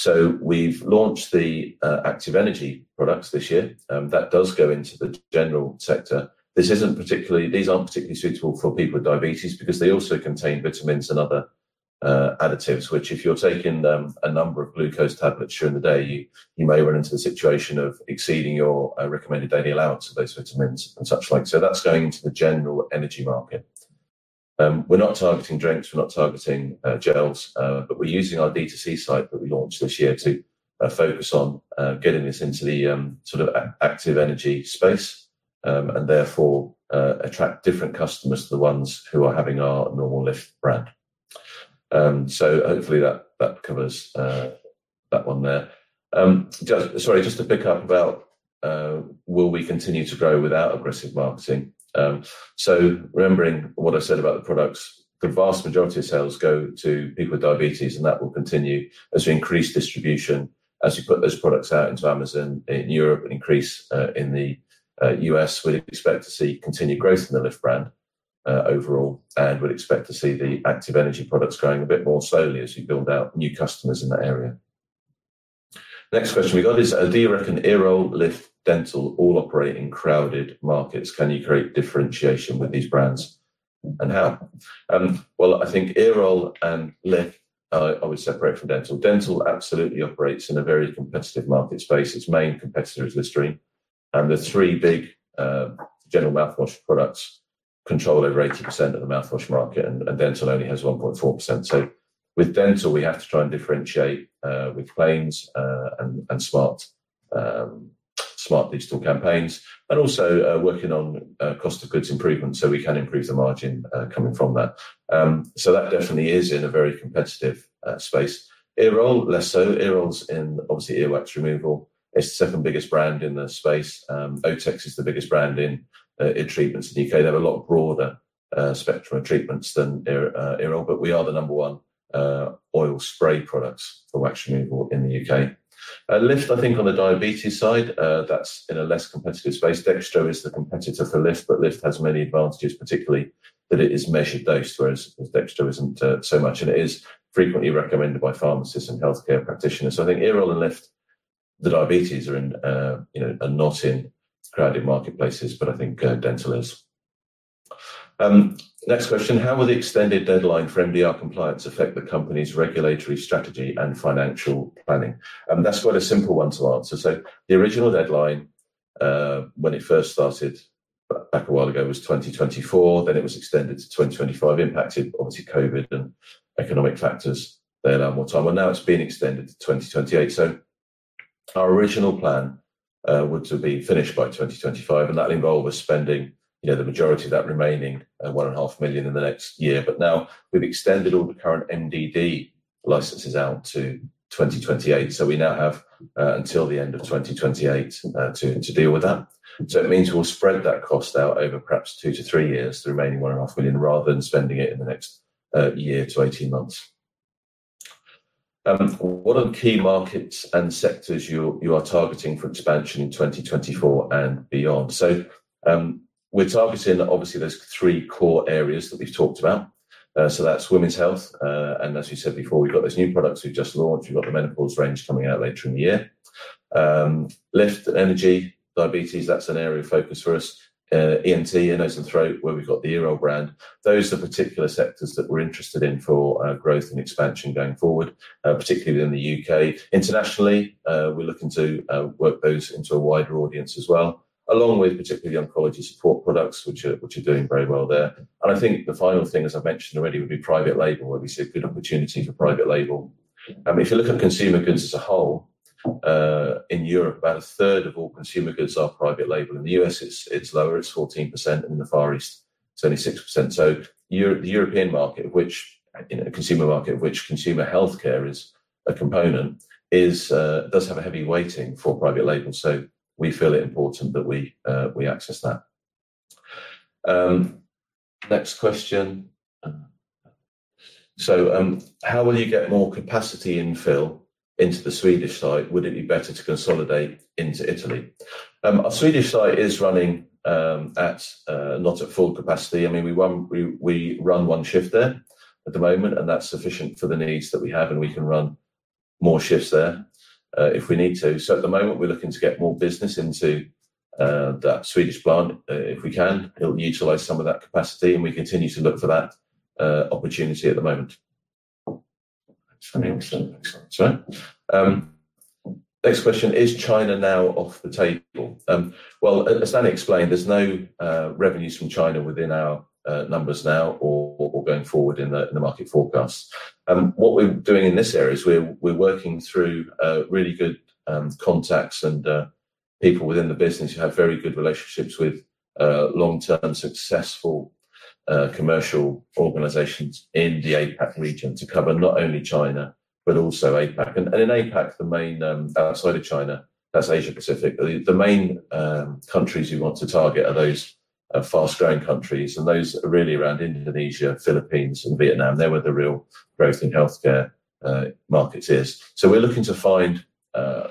So we've launched the Active Energy products this year, that does go into the general sector. These aren't particularly suitable for people with diabetes because they also contain vitamins and other additives, which if you're taking them, a number of glucose tablets during the day, you may run into a situation of exceeding your recommended daily allowance of those vitamins and such like. So that's going into the general energy market. We're not targeting drinks, we're not targeting gels, but we're using our D2C site that we launched this year to focus on getting this into the sort of Active Energy space, and therefore attract different customers to the ones who are having our normal Lift brand. So hopefully that covers that one there. Just, sorry, just to pick up about will we continue to grow without aggressive marketing? So remembering what I said about the products, the vast majority of sales go to people with diabetes, and that will continue as we increase distribution. As you put those products out into Amazon in Europe and increase in the US, we'd expect to see continued growth in the Lift brand overall, and would expect to see the Active Energy products growing a bit more slowly as you build out new customers in that area. Next question we got is, do you reckon Earol, Lift, Dentyl all operate in crowded markets? Can you create differentiation with these brands? And how? Well, I think Earol and Lift obviously separate from Dentyl. Dentyl absolutely operates in a very competitive market space. Its main competitor is Listerine, and the three big general mouthwash products control over 80% of the mouthwash market, and Dentyl only has 1.4%. So with Dentyl, we have to try and differentiate with claims, and smart digital campaigns, and also working on cost of goods improvement, so we can improve the margin coming from that. So that definitely is in a very competitive space. Earol, less so. Earol's in obviously earwax removal. It's the second biggest brand in the space. Otex is the biggest brand in treatments in the UK. They have a lot broader spectrum of treatments than Earol, but we are the number one oil spray products for wax removal in the UK. Lift, I think on the diabetes side, that's in a less competitive space. Dextro is the competitor for Lift, but Lift has many advantages, particularly that it is measured dose, whereas Dextro isn't, so much, and it is frequently recommended by pharmacists and healthcare practitioners. So I think Earol and Lift, the diabetes are in, you know, are not in crowded marketplaces, but I think, Dentyl is. Next question: How will the extended deadline for MDR compliance affect the company's regulatory strategy and financial planning? And that's quite a simple one to answer. So the original deadline, when it first started back a while ago, was 2024, then it was extended to 2025. Impacted, obviously, COVID and economic factors. They allowed more time, and now it's been extended to 2028. So our original plan was to be finished by 2025, and that involved us spending, you know, the majority of that remaining 1.5 million in the next year. But now we've extended all the current MDD licenses out to 2028, so we now have until the end of 2028 to deal with that. So it means we'll spread that cost out over perhaps 2-3 years, the remaining 1.5 million, rather than spending it in the next year to 18 months. What are the key markets and sectors you are targeting for expansion in 2024 and beyond? So, we're targeting, obviously, those three core areas that we've talked about. So that's women's health, and as we said before, we've got those new products we've just launched. We've got the menopause range coming out later in the year. Lift, energy, diabetes, that's an area of focus for us. ENT, ear, nose, and throat, where we've got the Earol brand. Those are the particular sectors that we're interested in for growth and expansion going forward, particularly in the U.K. Internationally, we're looking to work those into a wider audience as well, along with particularly the oncology support products, which are doing very well there. And I think the final thing, as I mentioned already, would be private label, where we see a good opportunity for private label. I mean, if you look at consumer goods as a whole, in Europe, about a third of all consumer goods are private label. In the U.S., it's lower, it's 14%, in the Far East, it's only 6%. So the European market, which in a consumer market, which consumer healthcare is a component, is does have a heavy weighting for private label, so we feel it important that we we access that. Next question. So how will you get more capacity in fill into the Swedish site? Would it be better to consolidate into Italy? Our Swedish site is running at not at full capacity. I mean, we run one shift there at the moment, and that's sufficient for the needs that we have, and we can run more shifts there if we need to. So at the moment, we're looking to get more business into that Swedish plant if we can. It'll utilize some of that capacity, and we continue to look for that opportunity at the moment. Excellent. Next question: Is China now off the table? Well, as Danny explained, there's no revenues from China within our numbers now or going forward in the market forecast. What we're doing in this area is we're working through really good contacts and people within the business who have very good relationships with long-term successful commercial organizations in the APAC region to cover not only China, but also APAC. And in APAC, the main outside of China, that's Asia Pacific, the main countries you want to target are those fast-growing countries, and those are really around Indonesia, Philippines, and Vietnam. They're where the real growth in healthcare markets is. So we're looking to find,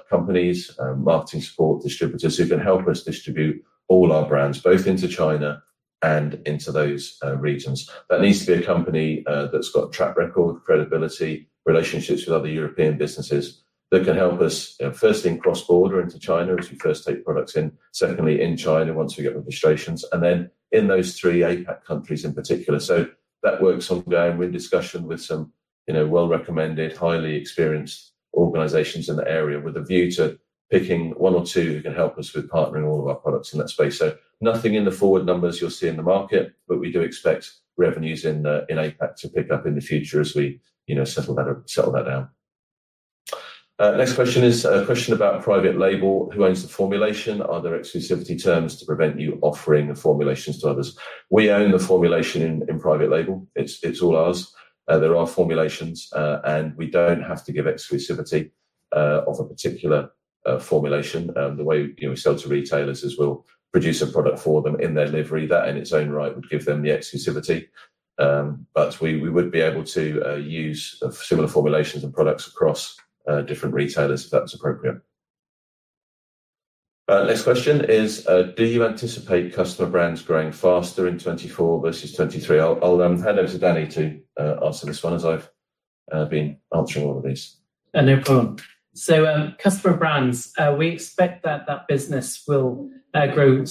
companies, marketing support, distributors who can help us distribute all our brands, both into China and into those, regions. That needs to be a company, that's got track record, credibility, relationships with other European businesses that can help us, you know, firstly, in cross-border into China, as we first take products in. Secondly, in China, once we get registrations, and then in those three APAC countries in particular. So that work's ongoing. We're in discussion with some, you know, well-recommended, highly experienced organizations in the area with a view to picking one or two who can help us with partnering all of our products in that space. So nothing in the forward numbers you'll see in the market, but we do expect revenues in APAC to pick up in the future as we, you know, settle that, settle that down. Next question is a question about private label. Who owns the formulation? Are there exclusivity terms to prevent you offering the formulations to others? We own the formulation in private label. It's all ours. There are formulations, and we don't have to give exclusivity of a particular formulation. The way, you know, we sell to retailers is we'll produce a product for them in their livery. That, in its own right, would give them the exclusivity, but we would be able to use similar formulations and products across different retailers if that's appropriate. Next question is: Do you anticipate customer brands growing faster in 2024 versus 2023? I'll hand over to Danny to answer this one, as I've been answering all of these. No problem. So, customer brands, we expect that that business will grow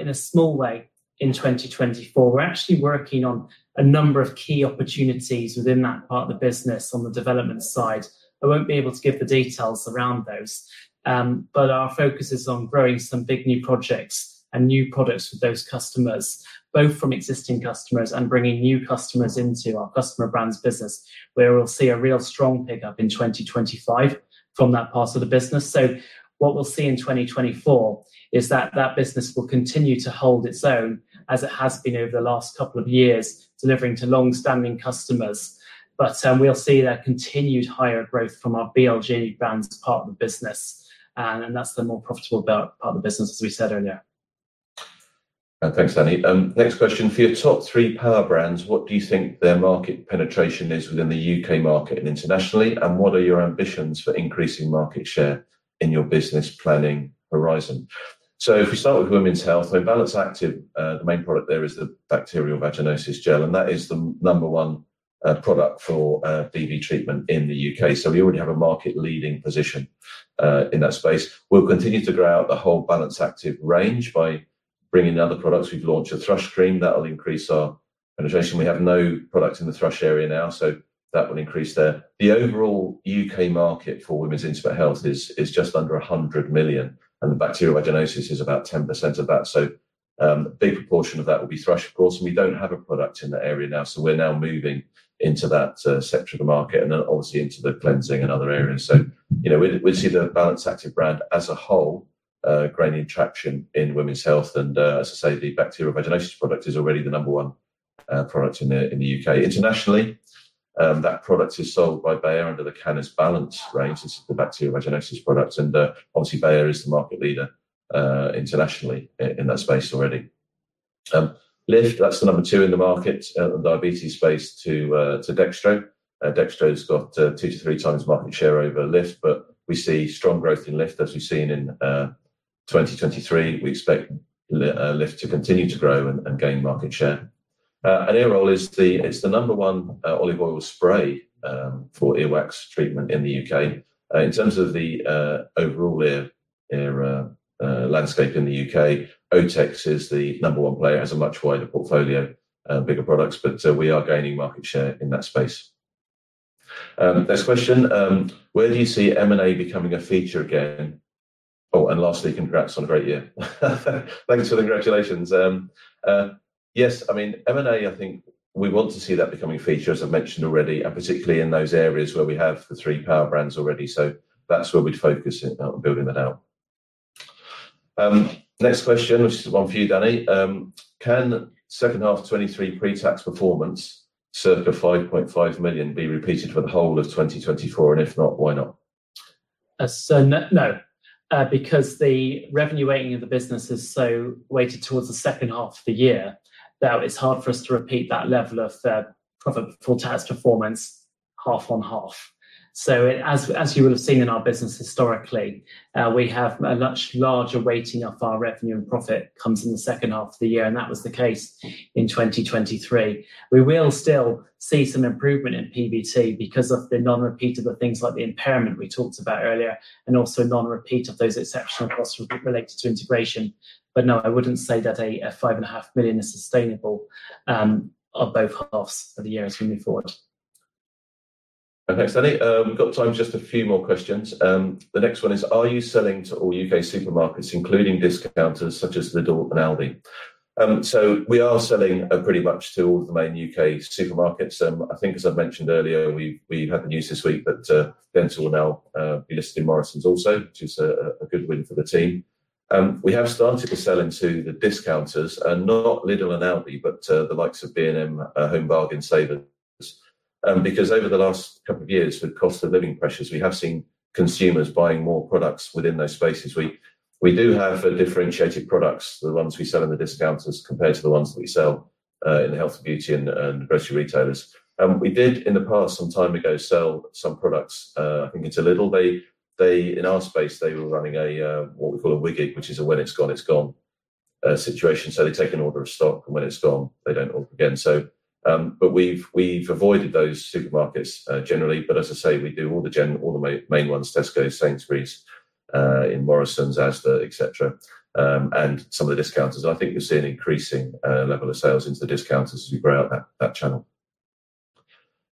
in a small way in 2024. We're actually working on a number of key opportunities within that part of the business on the development side. I won't be able to give the details around those, but our focus is on growing some big new projects and new products with those customers, both from existing customers and bringing new customers into our customer brands business, where we'll see a real strong pickup in 2025 from that part of the business. So what we'll see in 2024 is that that business will continue to hold its own, as it has been over the last couple of years, delivering to long-standing customers. But, we'll see that continued higher growth from our VLG brands as part of the business, and that's the more profitable part of the business, as we said earlier. Thanks, Danny. Next question: For your top three power brands, what do you think their market penetration is within the UK market and internationally, and what are your ambitions for increasing market share in your business planning horizon? So if we start with women's health, so Balance Activ, the main product there is the bacterial vaginosis gel, and that is the number one product for BV treatment in the UK. So we already have a market-leading position in that space. We'll continue to grow out the whole Balance Activ range by bringing other products. We've launched a thrush cream that will increase our penetration. We have no product in the thrush area now, so that will increase there. The overall UK market for women's intimate health is just under 100 million, and the bacterial vaginosis is about 10% of that. So, a big proportion of that will be thrush, of course, and we don't have a product in that area now. So we're now moving into that sector of the market, and then obviously into the cleansing and other areas. So, you know, we see the Balance Activ brand as a whole gaining traction in women's health. And as I say, the bacterial vaginosis product is already the number one product in the UK. Internationally, that product is sold by Bayer under the CanesBalance range. It's the bacterial vaginosis product, and obviously, Bayer is the market leader internationally in that space already. Lift, that's the number two in the market, the diabetes space to Dextro. Dextro's got 2-3 times market share over Lift, but we see strong growth in Lift, as we've seen in 2023. We expect Lift to continue to grow and gain market share. Earol is the number one olive oil spray for earwax treatment in the UK. In terms of the overall ear landscape in the UK, Otex is the number one player, has a much wider portfolio, bigger products, but we are gaining market share in that space. Next question: where do you see M&A becoming a feature again? Oh, and lastly, congrats on a great year. Thanks for the congratulations. Yes, I mean, M&A, I think we want to see that becoming a feature, as I've mentioned already, and particularly in those areas where we have the three power brands already. So that's where we'd focus in on building that out. Next question, which is one for you, Danny. Can second half 2023 pre-tax performance circa 5.5 million be repeated for the whole of 2024, and if not, why not? No, because the revenue weighting of the business is so weighted towards the second half of the year, that it's hard for us to repeat that level of pre-tax performance half-on-half. So, as you would have seen in our business historically, we have a much larger weighting of our revenue and profit comes in the second half of the year, and that was the case in 2023. We will still see some improvement in PBT because of the non-repeat of the things like the impairment we talked about earlier, and also non-repeat of those exceptional costs related to integration. But no, I wouldn't say that 5.5 million is sustainable on both halves of the year as we move forward. Okay. So I think, we've got time for just a few more questions. The next one is: Are you selling to all UK supermarkets, including discounters such as Lidl and Aldi? So we are selling pretty much to all of the main UK supermarkets. I think as I've mentioned earlier, we've, we had the news this week that, Dentyl will now, be listed in Morrisons also, which is a, a good win for the team. We have started to sell into the discounters and not Lidl and Aldi, but the likes of B&M, Home Bargains. Because over the last couple of years, with cost of living pressures, we have seen consumers buying more products within those spaces. We do have differentiated products, the ones we sell in the discounters, compared to the ones that we sell in the health and beauty and grocery retailers. And we did, in the past, some time ago, sell some products, I think it's Lidl. They, in our space, they were running a what we call a WIG, which is a when it's gone, it's gone situation. So they take an order of stock, and when it's gone, they don't open again. So, but we've avoided those supermarkets generally, but as I say, we do all the main ones, Tesco, Sainsbury's, and Morrisons, Asda, et cetera, and some of the discounters. I think you'll see an increasing level of sales into the discounters as we grow out that channel.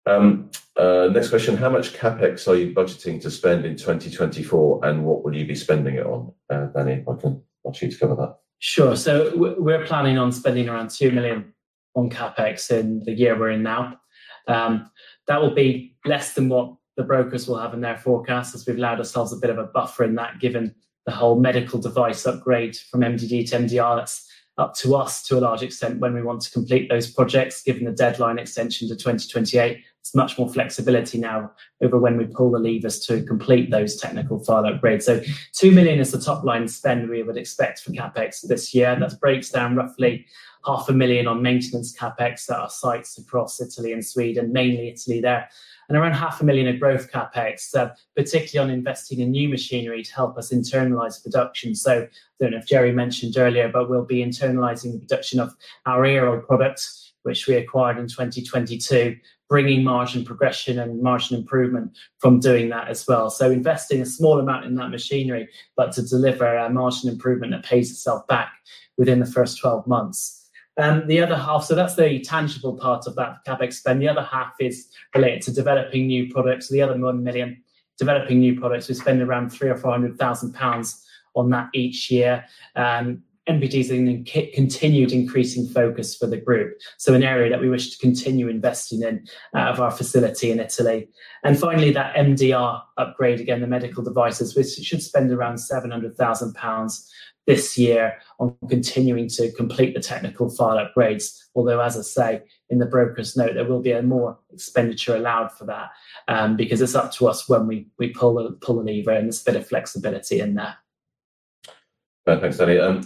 Next question: How much CapEx are you budgeting to spend in 2024, and what will you be spending it on? Danny, I can want you to cover that. Sure. So we're planning on spending around 2 million on CapEx in the year we're in now. That will be less than what the brokers will have in their forecast, as we've allowed ourselves a bit of a buffer in that, given the whole medical device upgrade from MDD to MDR. That's up to us to a large extent, when we want to complete those projects, given the deadline extension to 2028. It's much more flexibility now over when we pull the levers to complete those technical file upgrades. So 2 million is the top-line spend we would expect from CapEx this year. That breaks down roughly 0.5 million on maintenance CapEx at our sites across Italy and Sweden, mainly Italy there, and around 0.5 million in growth CapEx, particularly on investing in new machinery to help us internalize production. So I don't know if Jerry mentioned earlier, but we'll be internalizing the production of our Earol product, which we acquired in 2022, bringing margin progression and margin improvement from doing that as well. So investing a small amount in that machinery, but to deliver a margin improvement that pays itself back within the first 12 months. The other half, so that's the tangible part of that CapEx spend. The other half is related to developing new products, the other 1 million, developing new products. We spend around 300,000-400,000 pounds on that each year. NPD is a continued increasing focus for the group, so an area that we wish to continue investing in out of our facility in Italy. Finally, that MDR upgrade, again, the medical devices, we should spend around 700,000 pounds this year on continuing to complete the technical file upgrades. Although, as I say, in the broker's note, there will be more expenditure allowed for that, because it's up to us when we pull the lever, and there's a bit of flexibility in that. Perfect, Danny.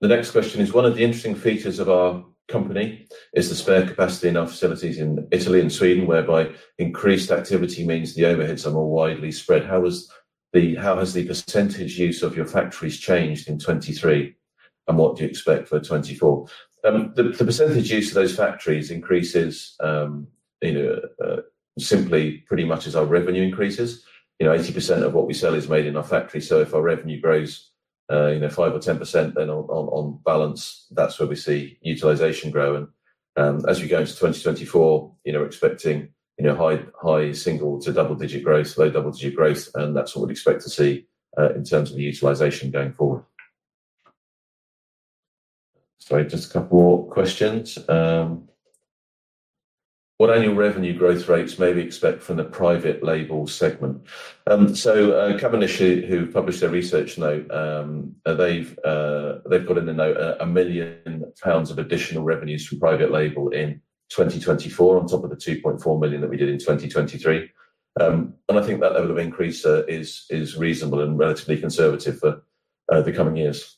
The next question is: One of the interesting features of our company is the spare capacity in our facilities in Italy and Sweden, whereby increased activity means the overheads are more widely spread. How has the percentage use of your factories changed in 2023, and what do you expect for 2024? The percentage use of those factories increases, you know, simply pretty much as our revenue increases. You know, 80% of what we sell is made in our factory. So if our revenue grows, you know, 5% or 10%, then on balance, that's where we see utilization growing. As we go into 2024, you know, expecting, you know, high single- to double-digit growth, low double-digit growth, and that's what we'd expect to see in terms of the utilization going forward. Sorry, just a couple more questions. What annual revenue growth rates may we expect from the private label segment? So, Cavendish, who published a research note, they've, they've got in the note 1 million pounds of additional revenues from private label in 2024, on top of the 2.4 million that we did in 2023. And I think that level of increase is reasonable and relatively conservative for the coming years.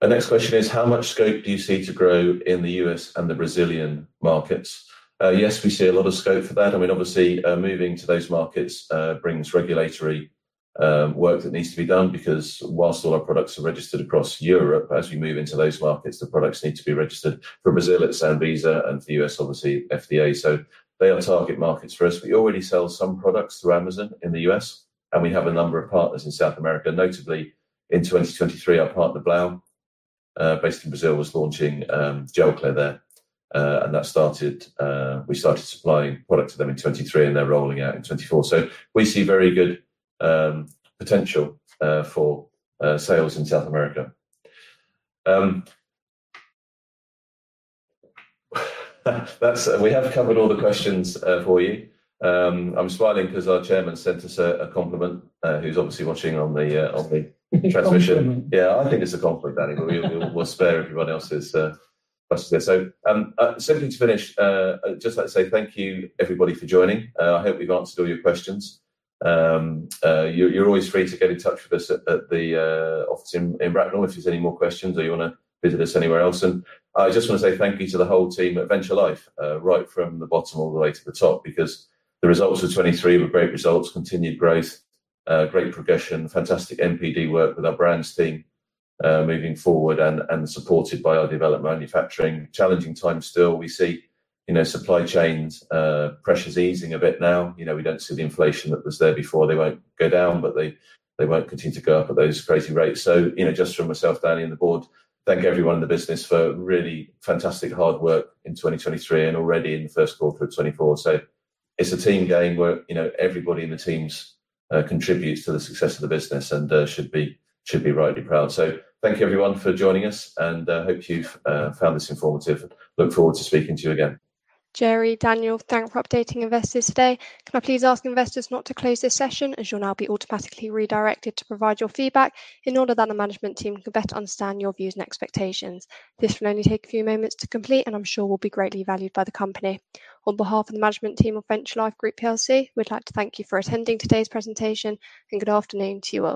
The next question is, how much scope do you see to grow in the U.S. and the Brazilian markets? Yes, we see a lot of scope for that. I mean, obviously, moving to those markets brings regulatory work that needs to be done because whilst all our products are registered across Europe, as we move into those markets, the products need to be registered. For Brazil, it's Anvisa, and for the U.S., obviously FDA, so they are target markets for us. We already sell some products through Amazon in the U.S., and we have a number of partners in South America. Notably, in 2023, our partner, Blausiegel, based in Brazil, was launching Gelclair there. And we started supplying product to them in 2023, and they're rolling out in 2024. So we see very good potential for sales in South America. That's. We have covered all the questions for you. I'm smiling 'cause our chairman sent us a compliment, who's obviously watching on the transmission. Compliment. Yeah, I think it's a compliment, Danny, but we'll spare everyone else's questions there. So, simply to finish, I'd just like to say thank you, everybody, for joining. I hope we've answered all your questions. You're always free to get in touch with us at the office in Bracknell if there's any more questions or you wanna visit us anywhere else. And I just wanna say thank you to the whole team at Venture Life, right from the bottom all the way to the top, because the results of 2023 were great results, continued growth, great progression, fantastic NPD work with our brands team, moving forward and supported by our development manufacturing. Challenging time still, we see, you know, supply chains pressures easing a bit now. You know, we don't see the inflation that was there before. They won't go down, but they won't continue to go up at those crazy rates. So, you know, just from myself, Danny, and the board, thank everyone in the business for really fantastic hard work in 2023 and already in the first quarter of 2024. So it's a team game where, you know, everybody in the teams contributes to the success of the business and should be rightly proud. So thank you, everyone, for joining us, and hope you've found this informative. Look forward to speaking to you again. Jerry, Daniel, thank you for updating investors today. Can I please ask investors not to close this session, as you'll now be automatically redirected to provide your feedback in order that the management team can better understand your views and expectations. This will only take a few moments to complete, and I'm sure will be greatly valued by the company. On behalf of the management team of Venture Life Group PLC, we'd like to thank you for attending today's presentation, and good afternoon to you all.